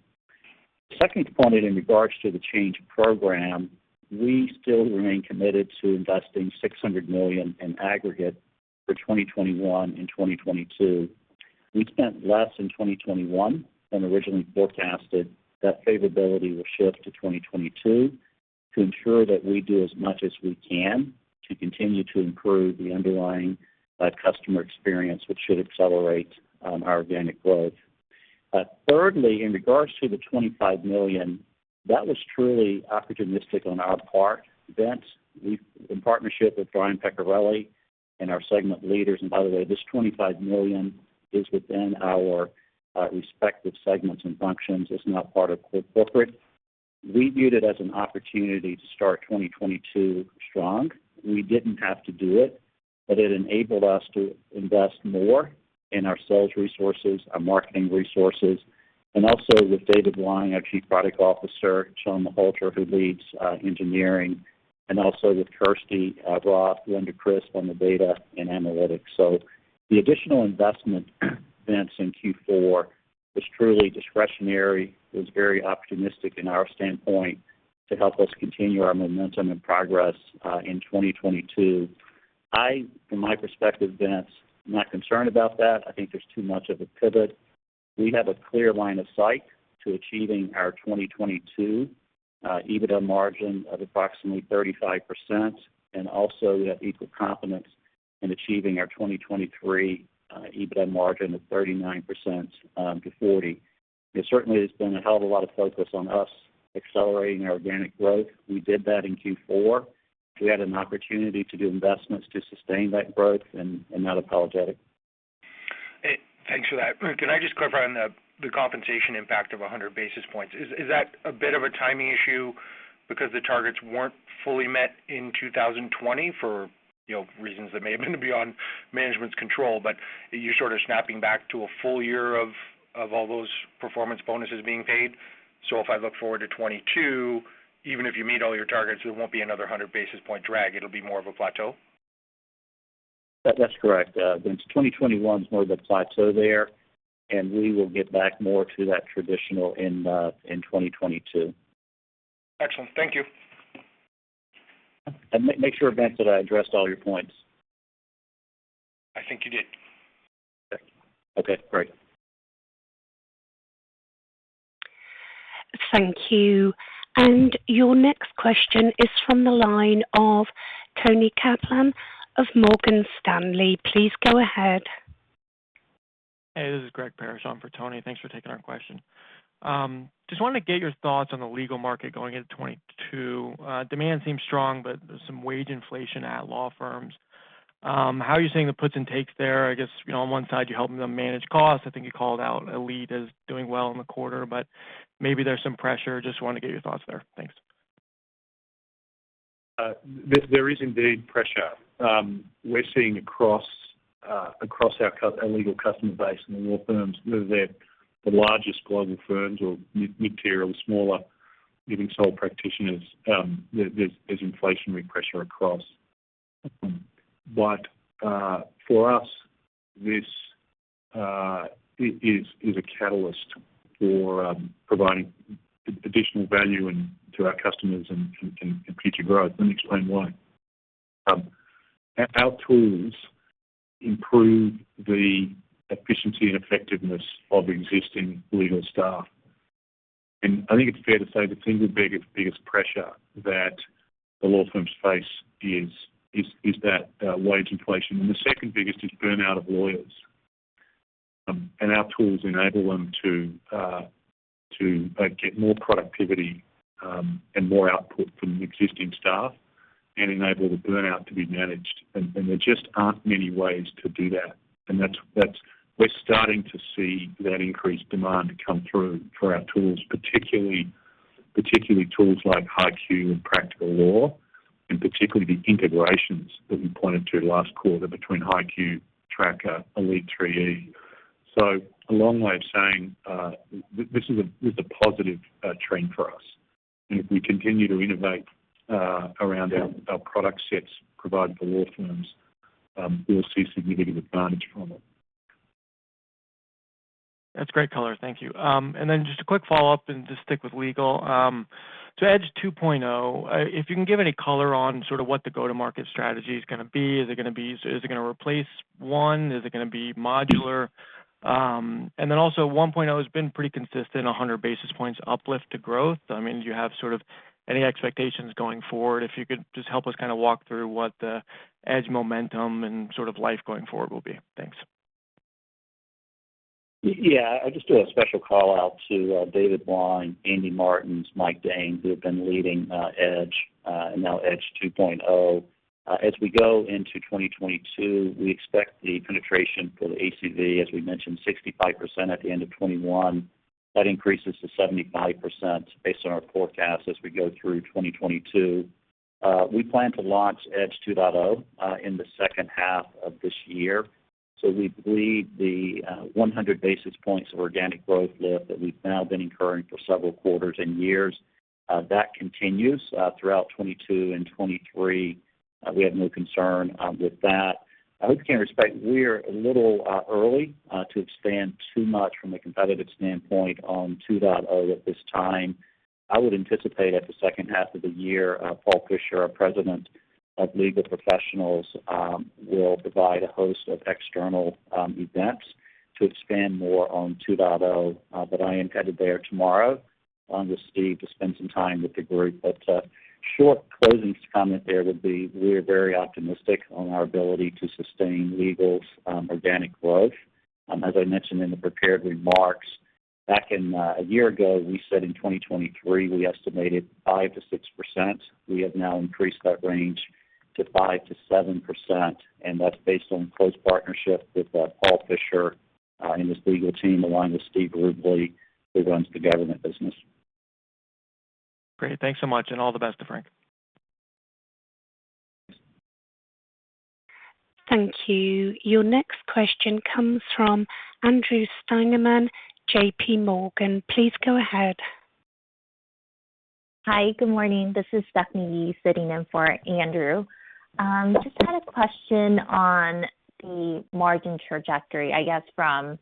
Second component in regards to the change of program, we still remain committed to investing $600 million in aggregate for 2021 and 2022. We spent less in 2021 than originally forecasted. That favorability will shift to 2022 to ensure that we do as much as we can to continue to improve the underlying customer experience, which should accelerate our organic growth. Thirdly, in regards to the $25 million, that was truly opportunistic on our part. Vince, we in partnership with Brian Peccarelli and our segment leaders, and by the way, this $25 million is within our respective segments and functions. It's not part of corporate. We viewed it as an opportunity to start 2022 strong. We didn't have to do it, but it enabled us to invest more in our sales resources, our marketing resources, and also with David Wong, our Chief Product Officer, Shawn Malhotra, who leads engineering, and also with Kirsty Roth, Glenda Crisp on the data and analytics. The additional investment, Vince, in Q4 was truly discretionary. It was very opportunistic in our standpoint to help us continue our momentum and progress in 2022. I, from my perspective, Vince, I'm not concerned about that. I think there's too much of a pivot. We have a clear line of sight to achieving our 2022 EBITDA margin of approximately 35%, and also we have equal confidence in achieving our 2023 EBITDA margin of 39% to 40%. There certainly has been a hell of a lot of focus on us accelerating our organic growth. We did that in Q4. We had an opportunity to do investments to sustain that growth and not apologetic. Hey, thanks for that. Can I just clarify on the compensation impact of 100 basis points? Is that a bit of a timing issue because the targets weren't fully met in 2020 for, you know, reasons that may have been beyond management's control, but you're sort of snapping back to a full year of all those performance bonuses being paid. If I look forward to 2022, even if you meet all your targets, there won't be another 100 basis point drag. It'll be more of a plateau? That's correct. Vince, 2021's more of a plateau there, and we will get back more to that traditional in 2022. Excellent. Thank you. Make sure, Vince, that I addressed all your points. I think you did. Okay. Great. Thank you. Your next question is from the line of Toni Kaplan of Morgan Stanley. Please go ahead. Hey, this is Gregory Parrish on for Toni. Thanks for taking our question. Just wanted to get your thoughts on the legal market going into 2022. Demand seems strong, but there's some wage inflation at law firms. How are you seeing the puts and takes there? I guess, you know, on one side, you're helping them manage costs. I think you called out Elite as doing well in the quarter, but maybe there's some pressure. Just wanted to get your thoughts there. Thanks. There is indeed pressure we're seeing across our legal customer base and the law firms, whether they're the largest global firms or mid-market, smaller, even sole practitioners, there's inflationary pressure across. For us, this is a catalyst for providing additional value to our customers and future growth. Let me explain why. Our tools improve the efficiency and effectiveness of existing legal staff. I think it's fair to say the single biggest pressure that the law firms face is wage inflation. The second biggest is burnout of lawyers. Our tools enable them to get more productivity and more output from existing staff and enable the burnout to be managed. There just aren't many ways to do that. We're starting to see that increased demand come through for our tools, particularly tools like HighQ and Practical Law, and particularly the integrations that we pointed to last quarter between HighQ, Tracker, Elite 3E. A long way of saying, this is a positive trend for us. If we continue to innovate around our product sets provided for law firms, we'll see significant advantage from it. That's great color. Thank you. And then just a quick follow-up and just stick with Legal, So Edge 2.0, if you can give any color on sort of what the go-to-market strategy is gonna be. Is it gonna replace 1.0? Is it gonna be modular? And then also 1.0 has been pretty consistent, 100 basis points uplift to growth. I mean, do you have sort of any expectations going forward? If you could just help us kinda walk through what the Edge momentum and sort of life going forward will be. Thanks. Yeah, I'll just do a special call-out to David Blain, Andy Martens, Mike Dahn, who have been leading Edge and now Edge 2.0. As we go into 2022, we expect the penetration for the ACV, as we mentioned, 65% at the end of 2021. That increases to 75% based on our forecast as we go through 2022. We plan to launch Edge 2.0 in the second half of this year. We believe the 100 basis points of organic growth lift that we've now been incurring for several quarters and years continues throughout 2022 and 2023. We have no concern with that. I would kind of suggest we're a little early to expand too much from a competitive standpoint on 2.0 at this time. I would anticipate in the second half of the year, Paul Fischer, our President of Legal Professionals, will provide a host of external events to expand more on 2.0. I am headed there tomorrow with Steve to spend some time with the group. Short closing comment there would be we're very optimistic on our ability to sustain Legal's organic growth. As I mentioned in the prepared remarks, back in a year ago, we said in 2023, we estimated 5%-6%. We have now increased that range to 5%-7%, and that's based on close partnership with Paul Fischer and his legal team, along with Steve Rubley, who runs the government business. Great. Thanks so much, and all the best to Frank. Thank you. Your next question comes from Andrew Steinerman, JPMorgan. Please go ahead. Hi. Good morning. This is Stephanie Yee sitting in for Andrew. Just had a question on the margin trajectory, I guess from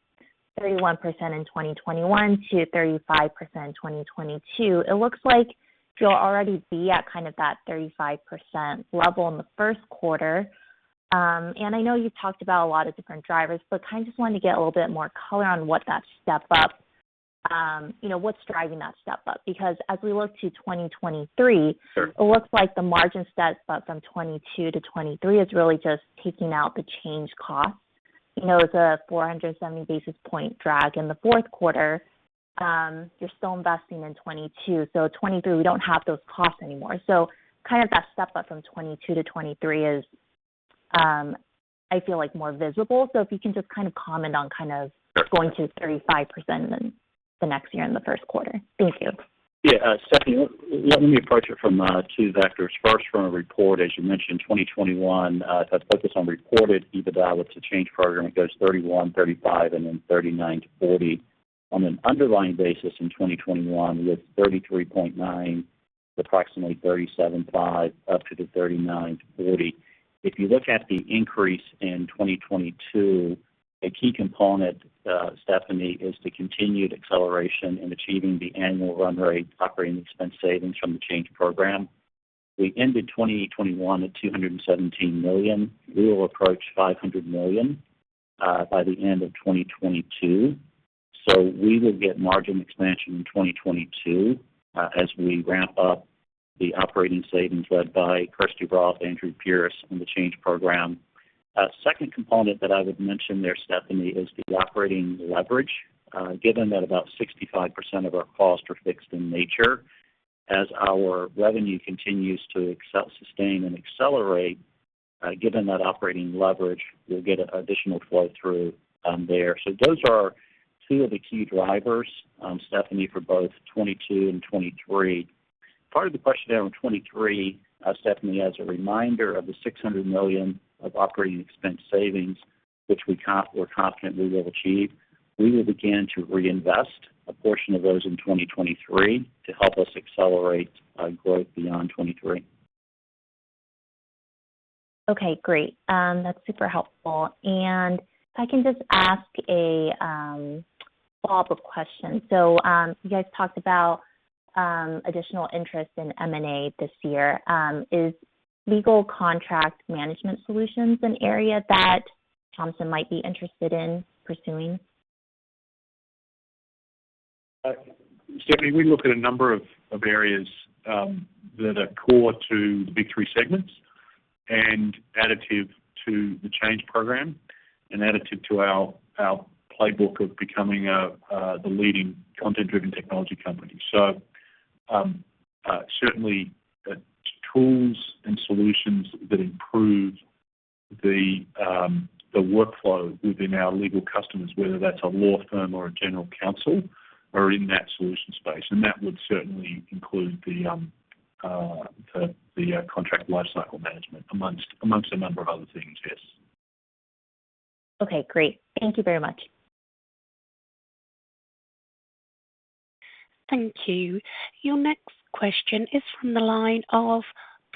31% in 2021 to 35% in 2022. It looks like you'll already be at kind of that 35% level in the first quarter. I know you've talked about a lot of different drivers, but kind of just wanted to get a little bit more color on what that step-up, you know, what's driving that step-up. Because as we look to 2023. Sure. It looks like the margin step-up from 2022 to 2023 is really just taking out the change cost. You know, the 470 basis point drag in the fourth quarter, you're still investing in 2022. So 2023, we don't have those costs anymore. So kind of that step-up from 2022 to 2023 is, I feel like more visible. So if you can just kind of comment on kind of- Sure. Going to 35% in the next year in the first quarter. Thank you. Yeah. Stephanie, let me approach it from two vectors. First, from a report, as you mentioned, 2021, if I focus on reported EBITDA with the change program, it goes 31%, 35%, and then 39%-40%. On an underlying basis in 2021, we had 33.9% to approximately 37.5%, up to the 39%-40%. If you look at the increase in 2022, a key component, Stephanie, is the continued acceleration in achieving the annual run rate operating expense savings from the change program. We ended 2021 at $217 million. We will approach $500 million by the end of 2022. We will get margin expansion in 2022 as we ramp up the operating savings led by Kirsty Roth, Andrew Pearce, and the change program. Second component that I would mention there, Stephanie, is the operating leverage. Given that about 65% of our costs are fixed in nature, as our revenue continues to excel, sustain and accelerate, given that operating leverage, we'll get additional flow through there. Those are two of the key drivers, Stephanie, for both 2022 and 2023. Part of the question there on 2023, Stephanie, as a reminder of the $600 million of operating expense savings, which we're confident we will achieve, we will begin to reinvest a portion of those in 2023 to help us accelerate growth beyond 2023. Okay, great. That's super helpful. If I can just ask a follow-up question. You guys talked about additional interest in M&A this year. Is legal contract management solutions an area that Thomson might be interested in pursuing? Stephanie, we look at a number of areas that are core to the big three segments and additive to the change program and additive to our playbook of becoming the leading content-driven technology company. Certainly, tools and solutions that improve the workflow within our legal customers, whether that's a law firm or a general counsel, are in that solution space. That would certainly include the contract lifecycle management among a number of other things, yes. Okay, great. Thank you very much. Thank you. Your next question is from the line of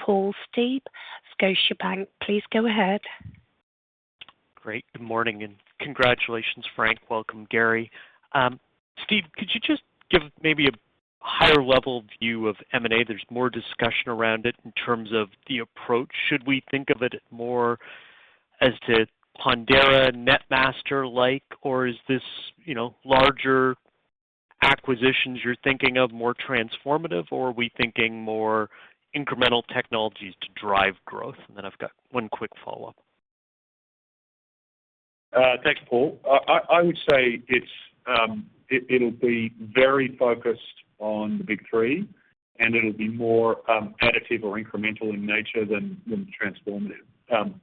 Paul Steep, Scotiabank. Please go ahead. Great. Good morning, and congratulations, Frank. Welcome, Gary. Steve, could you just give maybe a higher-level view of M&A? There's more discussion around it in terms of the approach. Should we think of it more as to Pondera, HighQ-like, or is this, you know, larger acquisitions you're thinking of more transformative or are we thinking more incremental technologies to drive growth? I've got one quick follow-up. Thanks, Paul. I would say it's very focused on the big three, and it'll be more additive or incremental in nature than transformative.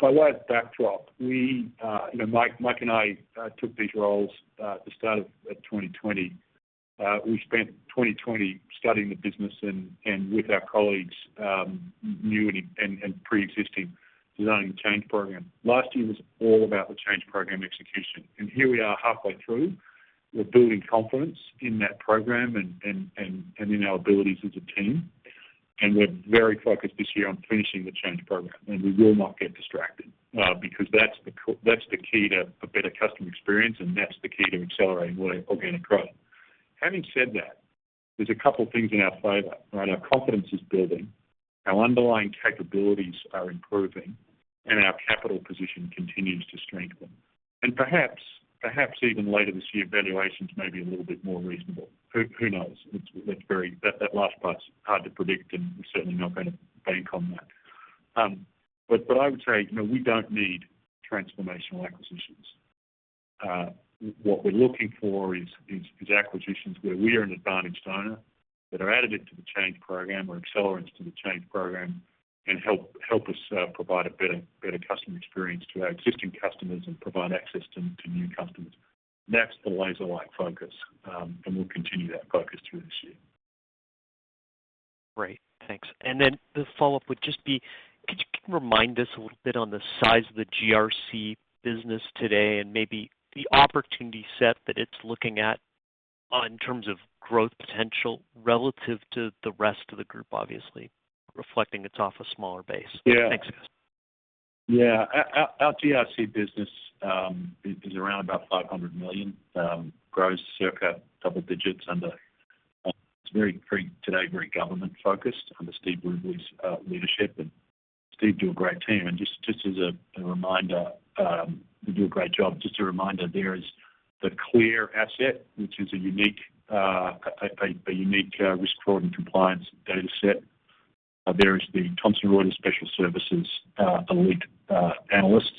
By way of backdrop, we, Mike and I, took these roles at the start of 2020. We spent 2020 studying the business and with our colleagues, new and pre-existing, designing the change program. Last year was all about the change program execution. Here we are halfway through. We're building confidence in that program and in our abilities as a team. We're very focused this year on finishing the change program. We will not get distracted because that's the key to a better customer experience, and that's the key to accelerating organic growth. Having said that, there's a couple things in our favor, right? Our confidence is building, our underlying capabilities are improving, and our capital position continues to strengthen. Perhaps even later this year, valuations may be a little bit more reasonable. Who knows? That last part's hard to predict, and we're certainly not going to bank on that. But I would say, you know, we don't need transformational acquisitions. What we're looking for is acquisitions where we are an advantaged owner that are additive to the change program or accelerants to the change program and help us provide a better customer experience to our existing customers and provide access to new customers. That's the laser-like focus, and we'll continue that focus through this year. Great. Thanks. The follow-up would just be, could you remind us a little bit on the size of the GRC business today and maybe the opportunity set that it's looking at, in terms of growth potential relative to the rest of the group, obviously reflecting it's off a smaller base. Yeah. Thanks, guys. Our GRC business is around $500 million, grows circa double digits under Steve Rubley's leadership. It's very steady today, very government focused under Steve Rubley's leadership. Steve, you have a great team. Just as a reminder, you do a great job. Just a reminder, there is the CLEAR asset, which is a unique risk, fraud and compliance data set. There is the Thomson Reuters Special Services Elite analysts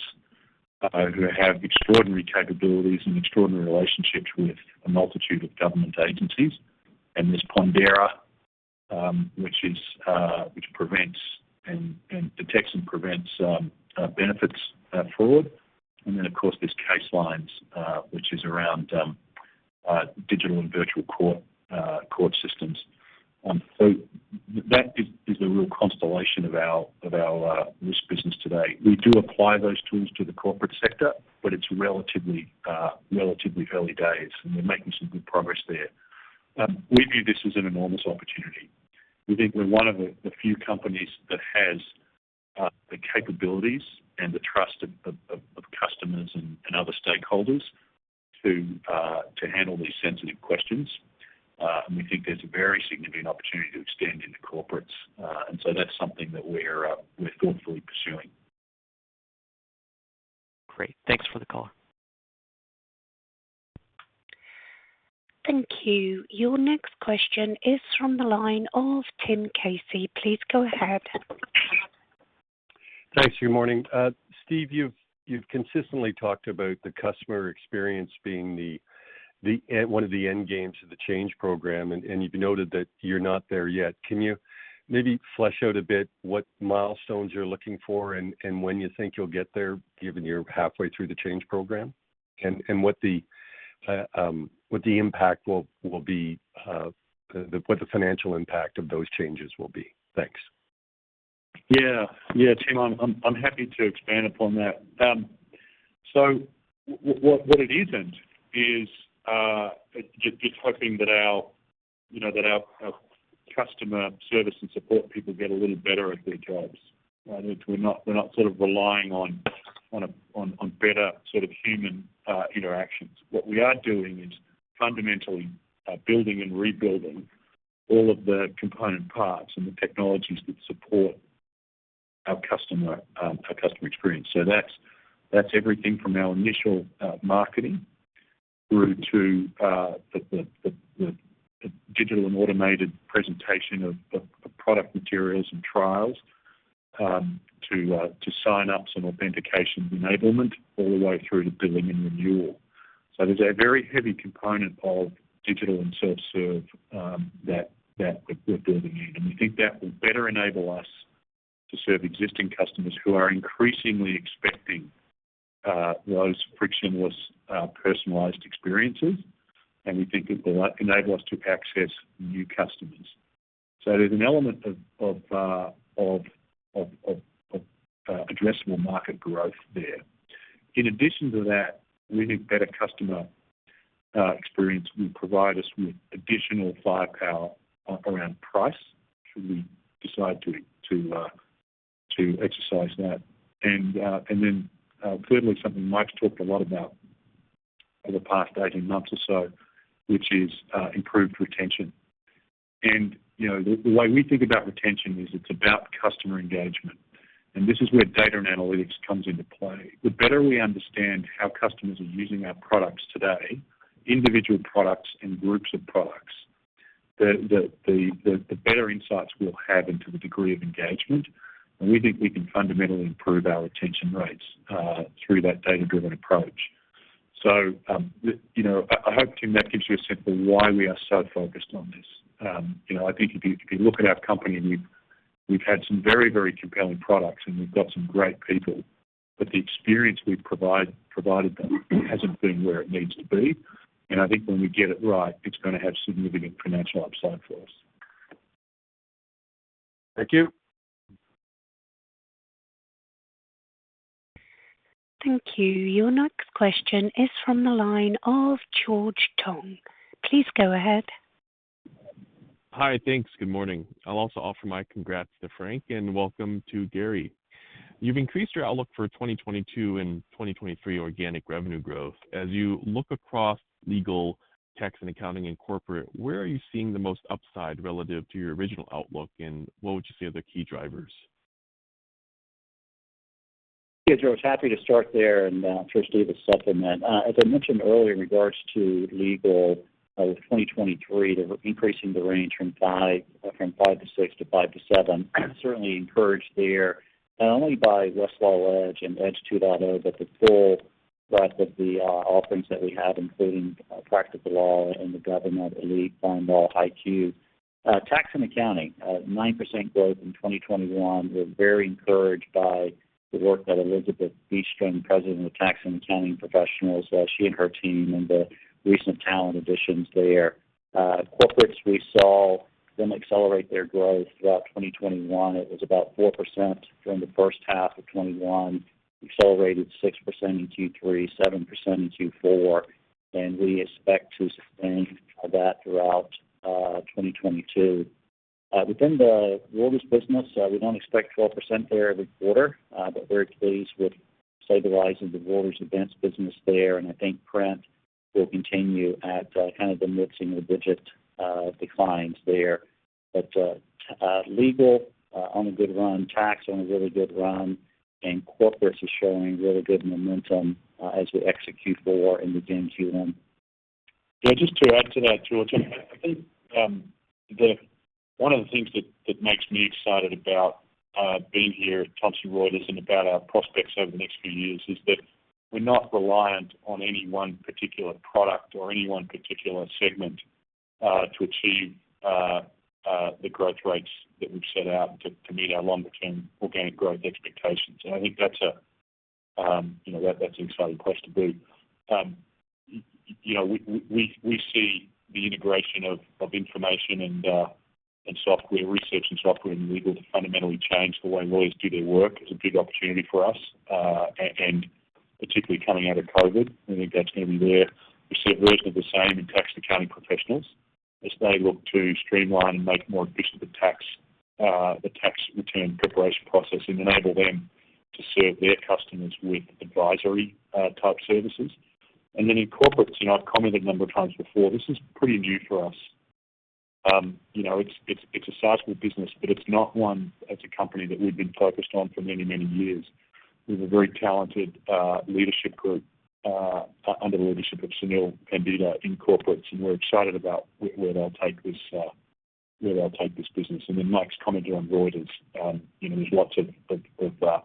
who have extraordinary capabilities and extraordinary relationships with a multitude of government agencies. There's Pondera, which detects and prevents benefit fraud. Then, of course, there's CaseLines, which is around digital and virtual court systems. That is the real constellation of our risk business today. We do apply those tools to the corporate sector, but it's relatively early days, and we're making some good progress there. We view this as an enormous opportunity. We think we're one of the few companies that has the capabilities and the trust of customers and other stakeholders to handle these sensitive questions. We think there's a very significant opportunity to extend into corporates. That's something that we're thoughtfully pursuing. Great. Thanks for the call. Thank you. Your next question is from the line of Tim Casey. Please go ahead. Thanks. Good morning. Steve, you've consistently talked about the customer experience being one of the end games of the change program, and you've noted that you're not there yet. Can you maybe flesh out a bit what milestones you're looking for and when you think you'll get there, given you're halfway through the change program? What the financial impact of those changes will be. Thanks. Yeah. Yeah, Tim, I'm happy to expand upon that. What it isn't is just hoping that our, you know, customer service and support people get a little better at their jobs, right? If we're not, we're not sort of relying on a better sort of human interactions. What we are doing is fundamentally building and rebuilding all of the component parts and the technologies that support our customer experience. That's everything from our initial marketing through to the digital and automated presentation of the product materials and trials, to sign ups and authentication enablement all the way through to billing and renewal. There's a very heavy component of digital and self-serve that we're building in. We think that will better enable us to serve existing customers who are increasingly expecting those frictionless, personalized experiences. We think it will enable us to access new customers. There's an element of addressable market growth there. In addition to that, we think better customer experience will provide us with additional firepower around price should we decide to exercise that. And then, thirdly, something Mike's talked a lot about over the past 18 months or so, which is improved retention. You know, the way we think about retention is it's about customer engagement, and this is where data and analytics comes into play. The better we understand how customers are using our products today, individual products and groups of products, the better insights we'll have into the degree of engagement. We think we can fundamentally improve our retention rates through that data-driven approach. You know, I hope, Tim, that gives you a sense for why we are so focused on this. You know, I think if you look at our company, we've had some very compelling products, and we've got some great people, but the experience we provided them hasn't been where it needs to be. I think when we get it right, it's gonna have significant financial upside for us. Thank you. Thank you. Your next question is from the line of George Tong. Please go ahead. Hi. Thanks. Good morning. I'll also offer my congrats to Frank and welcome to Gary. You've increased your outlook for 2022 and 2023 organic revenue growth. As you look across legal, tax, and accounting and corporate, where are you seeing the most upside relative to your original outlook, and what would you say are the key drivers? Yeah, George. Happy to start there and, Chris, David supplement. As I mentioned earlier in regards to legal, with 2023, they're increasing the range from 5%-6% to 5%-7%. Certainly encouraged there, not only by Westlaw Edge and Edge 2.0, but the full breadth of the offerings that we have, including Practical Law in the government, Elite, Law IQ. Tax and accounting, 9% growth in 2021. We're very encouraged by the work that Elizabeth Beastrom, president of Tax and Accounting Professionals, she and her team and the recent talent additions there. Corporates, we saw them accelerate their growth throughout 2021. It was about 4% during the first half of 2021. Accelerated 6% in Q3, 7% in Q4, and we expect to sustain that throughout 2022. Within the Reuters business, we don't expect 12% there every quarter, but very pleased with, say, the rise of the Reuters events business there, and I think print will continue at, kind of the mid-single-digit declines there. Legal on a good run, tax on a really good run, and corporates is showing really good momentum, as we exit Q4 and begin Q1. Yeah. Just to add to that, George, I think one of the things that makes me excited about being here at Thomson Reuters and about our prospects over the next few years is that we're not reliant on any one particular product or any one particular segment to achieve the growth rates that we've set out to meet our longer-term organic growth expectations. I think that's a you know that's an exciting place to be. You know, we see the integration of information and software, research and software in legal to fundamentally change the way lawyers do their work is a big opportunity for us. Particularly coming out of COVID, I think that's going to be there. We see virtually the same in tax accounting professionals as they look to streamline and make more efficient the tax return preparation process and enable them to serve their customers with advisory type services. In Corporates, you know, I've commented a number of times before, this is pretty new for us. You know, it's a sizable business, but it's not one as a company that we've been focused on for many, many years. We have a very talented leadership group under the leadership of Sunil Pandita in Corporates, and we're excited about where they'll take this business. Then Mike's comment on Reuters, you know, there's lots of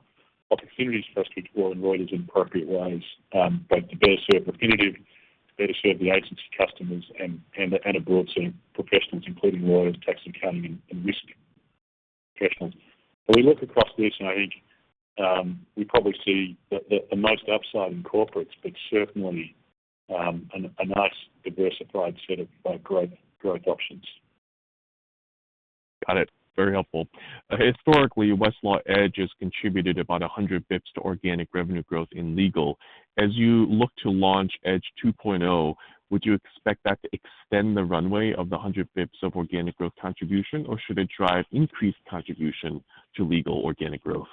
opportunities for us to deploy Reuters in appropriate ways, both to better serve Refinitiv, to better serve the agency customers and a broad set of professionals, including lawyers, tax, accounting, and risk professionals. When we look across this, I think, we probably see the most upside in Corporates, but certainly, a nice diversified set of growth options. Got it. Very helpful. Historically, Westlaw Edge has contributed about 100 basis points to organic revenue growth in legal. As you look to launch Edge 2.0, would you expect that to extend the runway of the 100 basis points of organic growth contribution, or should it drive increased contribution to legal organic growth?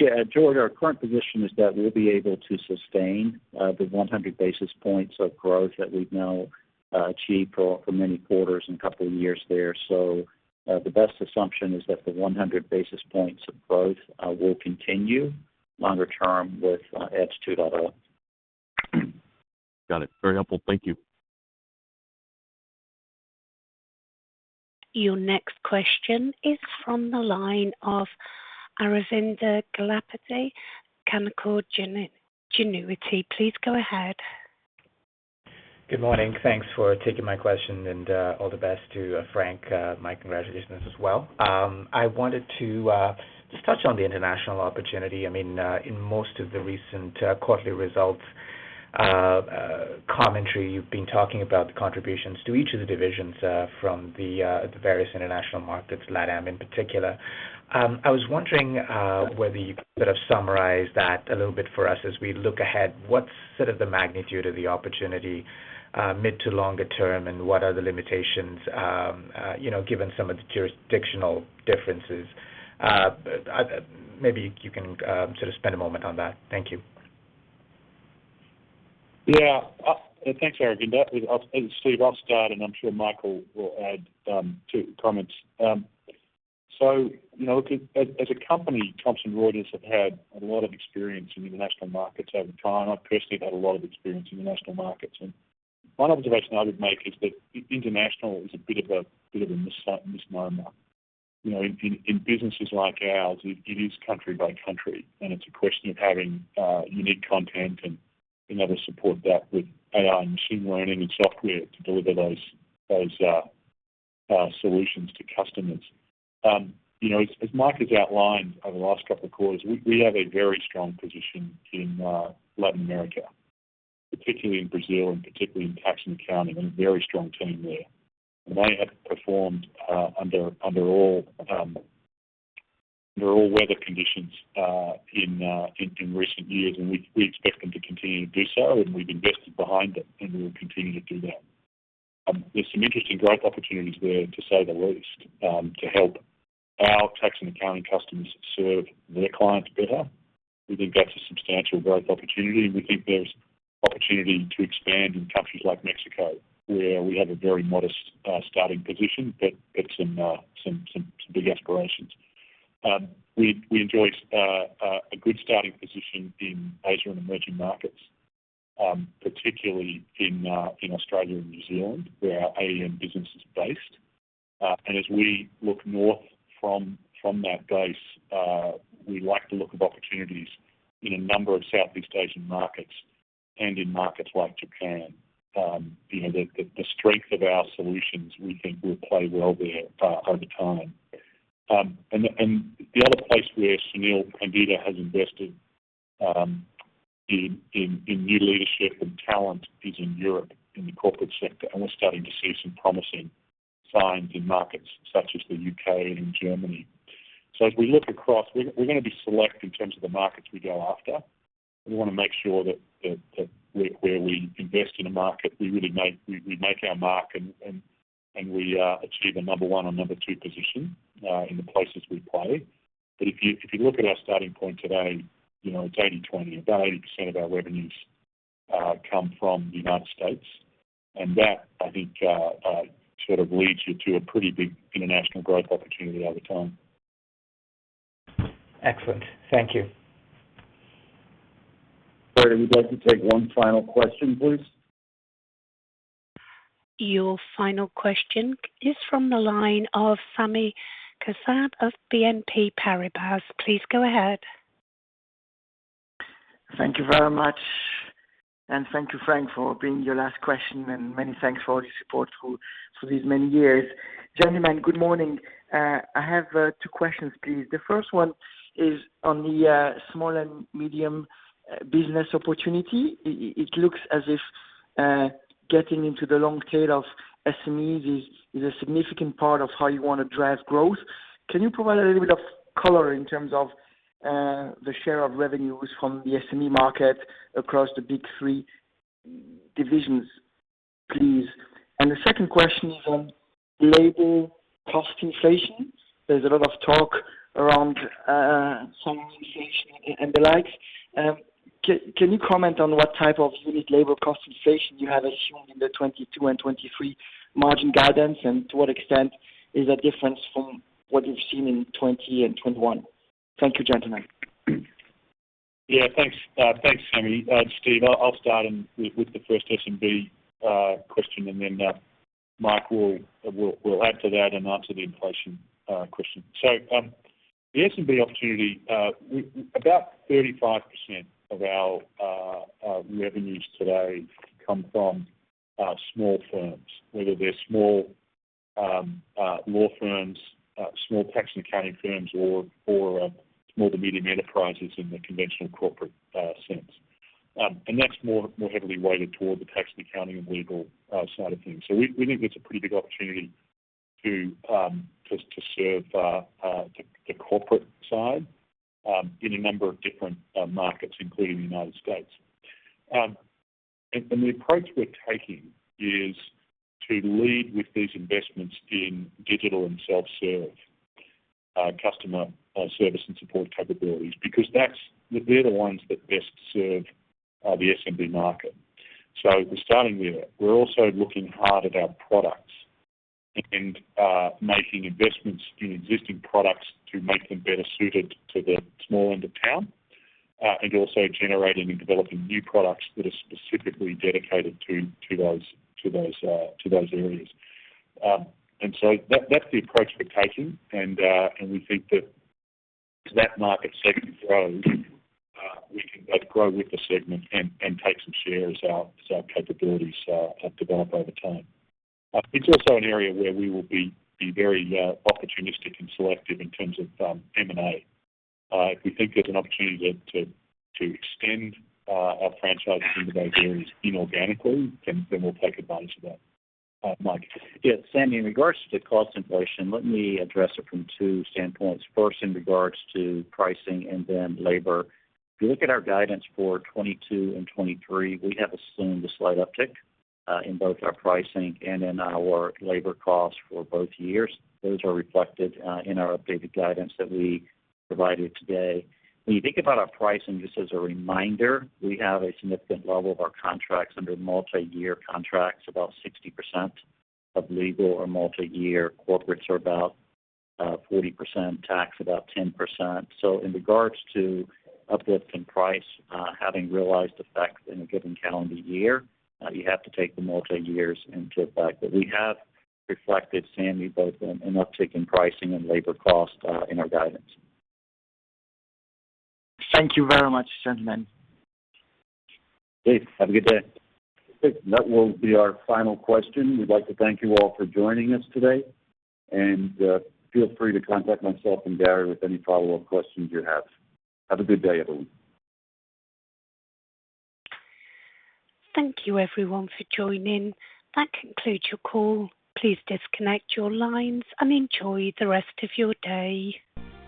Yeah. George, our current position is that we'll be able to sustain the 100 basis points of growth that we've now achieved for many quarters and a couple of years there. The best assumption is that the 100 basis points of growth will continue longer term with Edge 2.0. Got it. Very helpful. Thank you. Your next question is from the line of Aravinda Galappatthige, Canaccord Genuity. Please go ahead. Good morning. Thanks for taking my question, and all the best to Frank. My congratulations as well. I wanted to just touch on the international opportunity. I mean, in most of the recent quarterly results commentary, you've been talking about the contributions to each of the divisions from the various international markets, LATAM in particular. I was wondering whether you could have summarized that a little bit for us as we look ahead. What's sort of the magnitude of the opportunity mid to longer term, and what are the limitations you know, given some of the jurisdictional differences? Maybe you can sort of spend a moment on that. Thank you. Yeah. Thanks, Aravinda. It's Steve, I'll start, and I'm sure Mike will add to comments. So, you know, look, as a company, Thomson Reuters have had a lot of experience in international markets over time. I personally have had a lot of experience in international markets. One observation I would make is that international is a bit of a misnomer. You know, in businesses like ours, it is country by country, and it's a question of having unique content and able to support that with AI and machine learning and software to deliver those solutions to customers. You know, as Mike has outlined over the last couple of quarters, we have a very strong position in Latin America, particularly in Brazil and particularly in tax and accounting, and a very strong team there. They have performed under all weather conditions in recent years, and we expect them to continue to do so, and we've invested behind it, and we will continue to do that. There's some interesting growth opportunities there, to say the least, to help our tax and accounting customers serve their clients better. We think that's a substantial growth opportunity. We think there's opportunity to expand in countries like Mexico, where we have a very modest starting position, but some big aspirations. We enjoy a good starting position in Asia and emerging markets, particularly in Australia and New Zealand, where our Asian business is based. As we look north from that base, we like the look of opportunities in a number of Southeast Asian markets and in markets like Japan. You know, the strength of our solutions, we think will play well there over time. The other place where Sunil Pandita has invested in new leadership and talent is in Europe, in the corporate sector, and we're starting to see some promising signs in markets such as the U.K. and in Germany. As we look across, we're gonna be selective in terms of the markets we go after. We wanna make sure that where we invest in a market, we really make our mark and we achieve a number one or number two position in the places we play. If you look at our starting point today, you know, it's 80/20. About 80% of our revenues come from the United States, and that, I think, sort of leads you to a pretty big international growth opportunity over time. Excellent. Thank you. Sorry, we'd like to take one final question, please. Your final question is from the line of Sami Kassab of BNP Paribas. Please go ahead. Thank you very much, and thank you, Frank, for being your last question, and many thanks for all your support through these many years. Gentlemen, good morning. I have two questions, please. The first one is on the small and medium business opportunity. It looks as if getting into the long tail of SMEs is a significant part of how you wanna drive growth. Can you provide a little bit of color in terms of the share of revenues from the SME market across the big three divisions, please? The second question is on labor cost inflation. There's a lot of talk around some inflation and the like. Can you comment on what type of unique labor cost inflation you have assumed in the 2022 and 2023 margin guidance, and to what extent is that different from what you've seen in 2020 and 2021? Thank you, gentlemen. Yeah, thanks. Thanks, Sami. Steve, I'll start with the first SMB question, and then Mike will add to that and answer the inflation question. The SMB opportunity, about 35% of our revenues today come from small firms, whether they're small law firms, small tax and accounting firms or small to medium enterprises in the conventional corporate sense. That's more heavily weighted toward the tax and accounting and legal side of things. We think that's a pretty big opportunity to serve the corporate side in a number of different markets, including the United States. The approach we're taking is to lead with these investments in digital and self-serve customer service and support capabilities because that's. They're the ones that best serve the SMB market. We're starting there. We're also looking hard at our products and making investments in existing products to make them better suited to the small end of town and also generating and developing new products that are specifically dedicated to those areas. That's the approach we're taking, and we think that as that market segment grows, we can both grow with the segment and take some share as our capabilities develop over time. It's also an area where we will be very opportunistic and selective in terms of M&A. If we think there's an opportunity to extend our franchise into those areas inorganically, then we'll take advantage of that. Mike. Yeah, Sami, in regards to cost inflation, let me address it from two standpoints. First, in regards to pricing and then labor. If you look at our guidance for 2022 and 2023, we have assumed a slight uptick in both our pricing and in our labor costs for both years. Those are reflected in our updated guidance that we provided today. When you think about our pricing, just as a reminder, we have a significant level of our contracts under multi-year contracts. About 60% of Legal are multi-year. Corporates are about 40%. Tax, about 10%. In regards to uplift in price having realized effects in a given calendar year, you have to take the multi-years into effect. We have reflected, Sami, both an uptick in pricing and labor cost in our guidance. Thank you very much, gentlemen. Steve, have a good day. That will be our final question. We'd like to thank you all for joining us today. Feel free to contact myself and Gary with any follow-up questions you have. Have a good day, everyone. Thank you, everyone, for joining. That concludes your call. Please disconnect your lines and enjoy the rest of your day.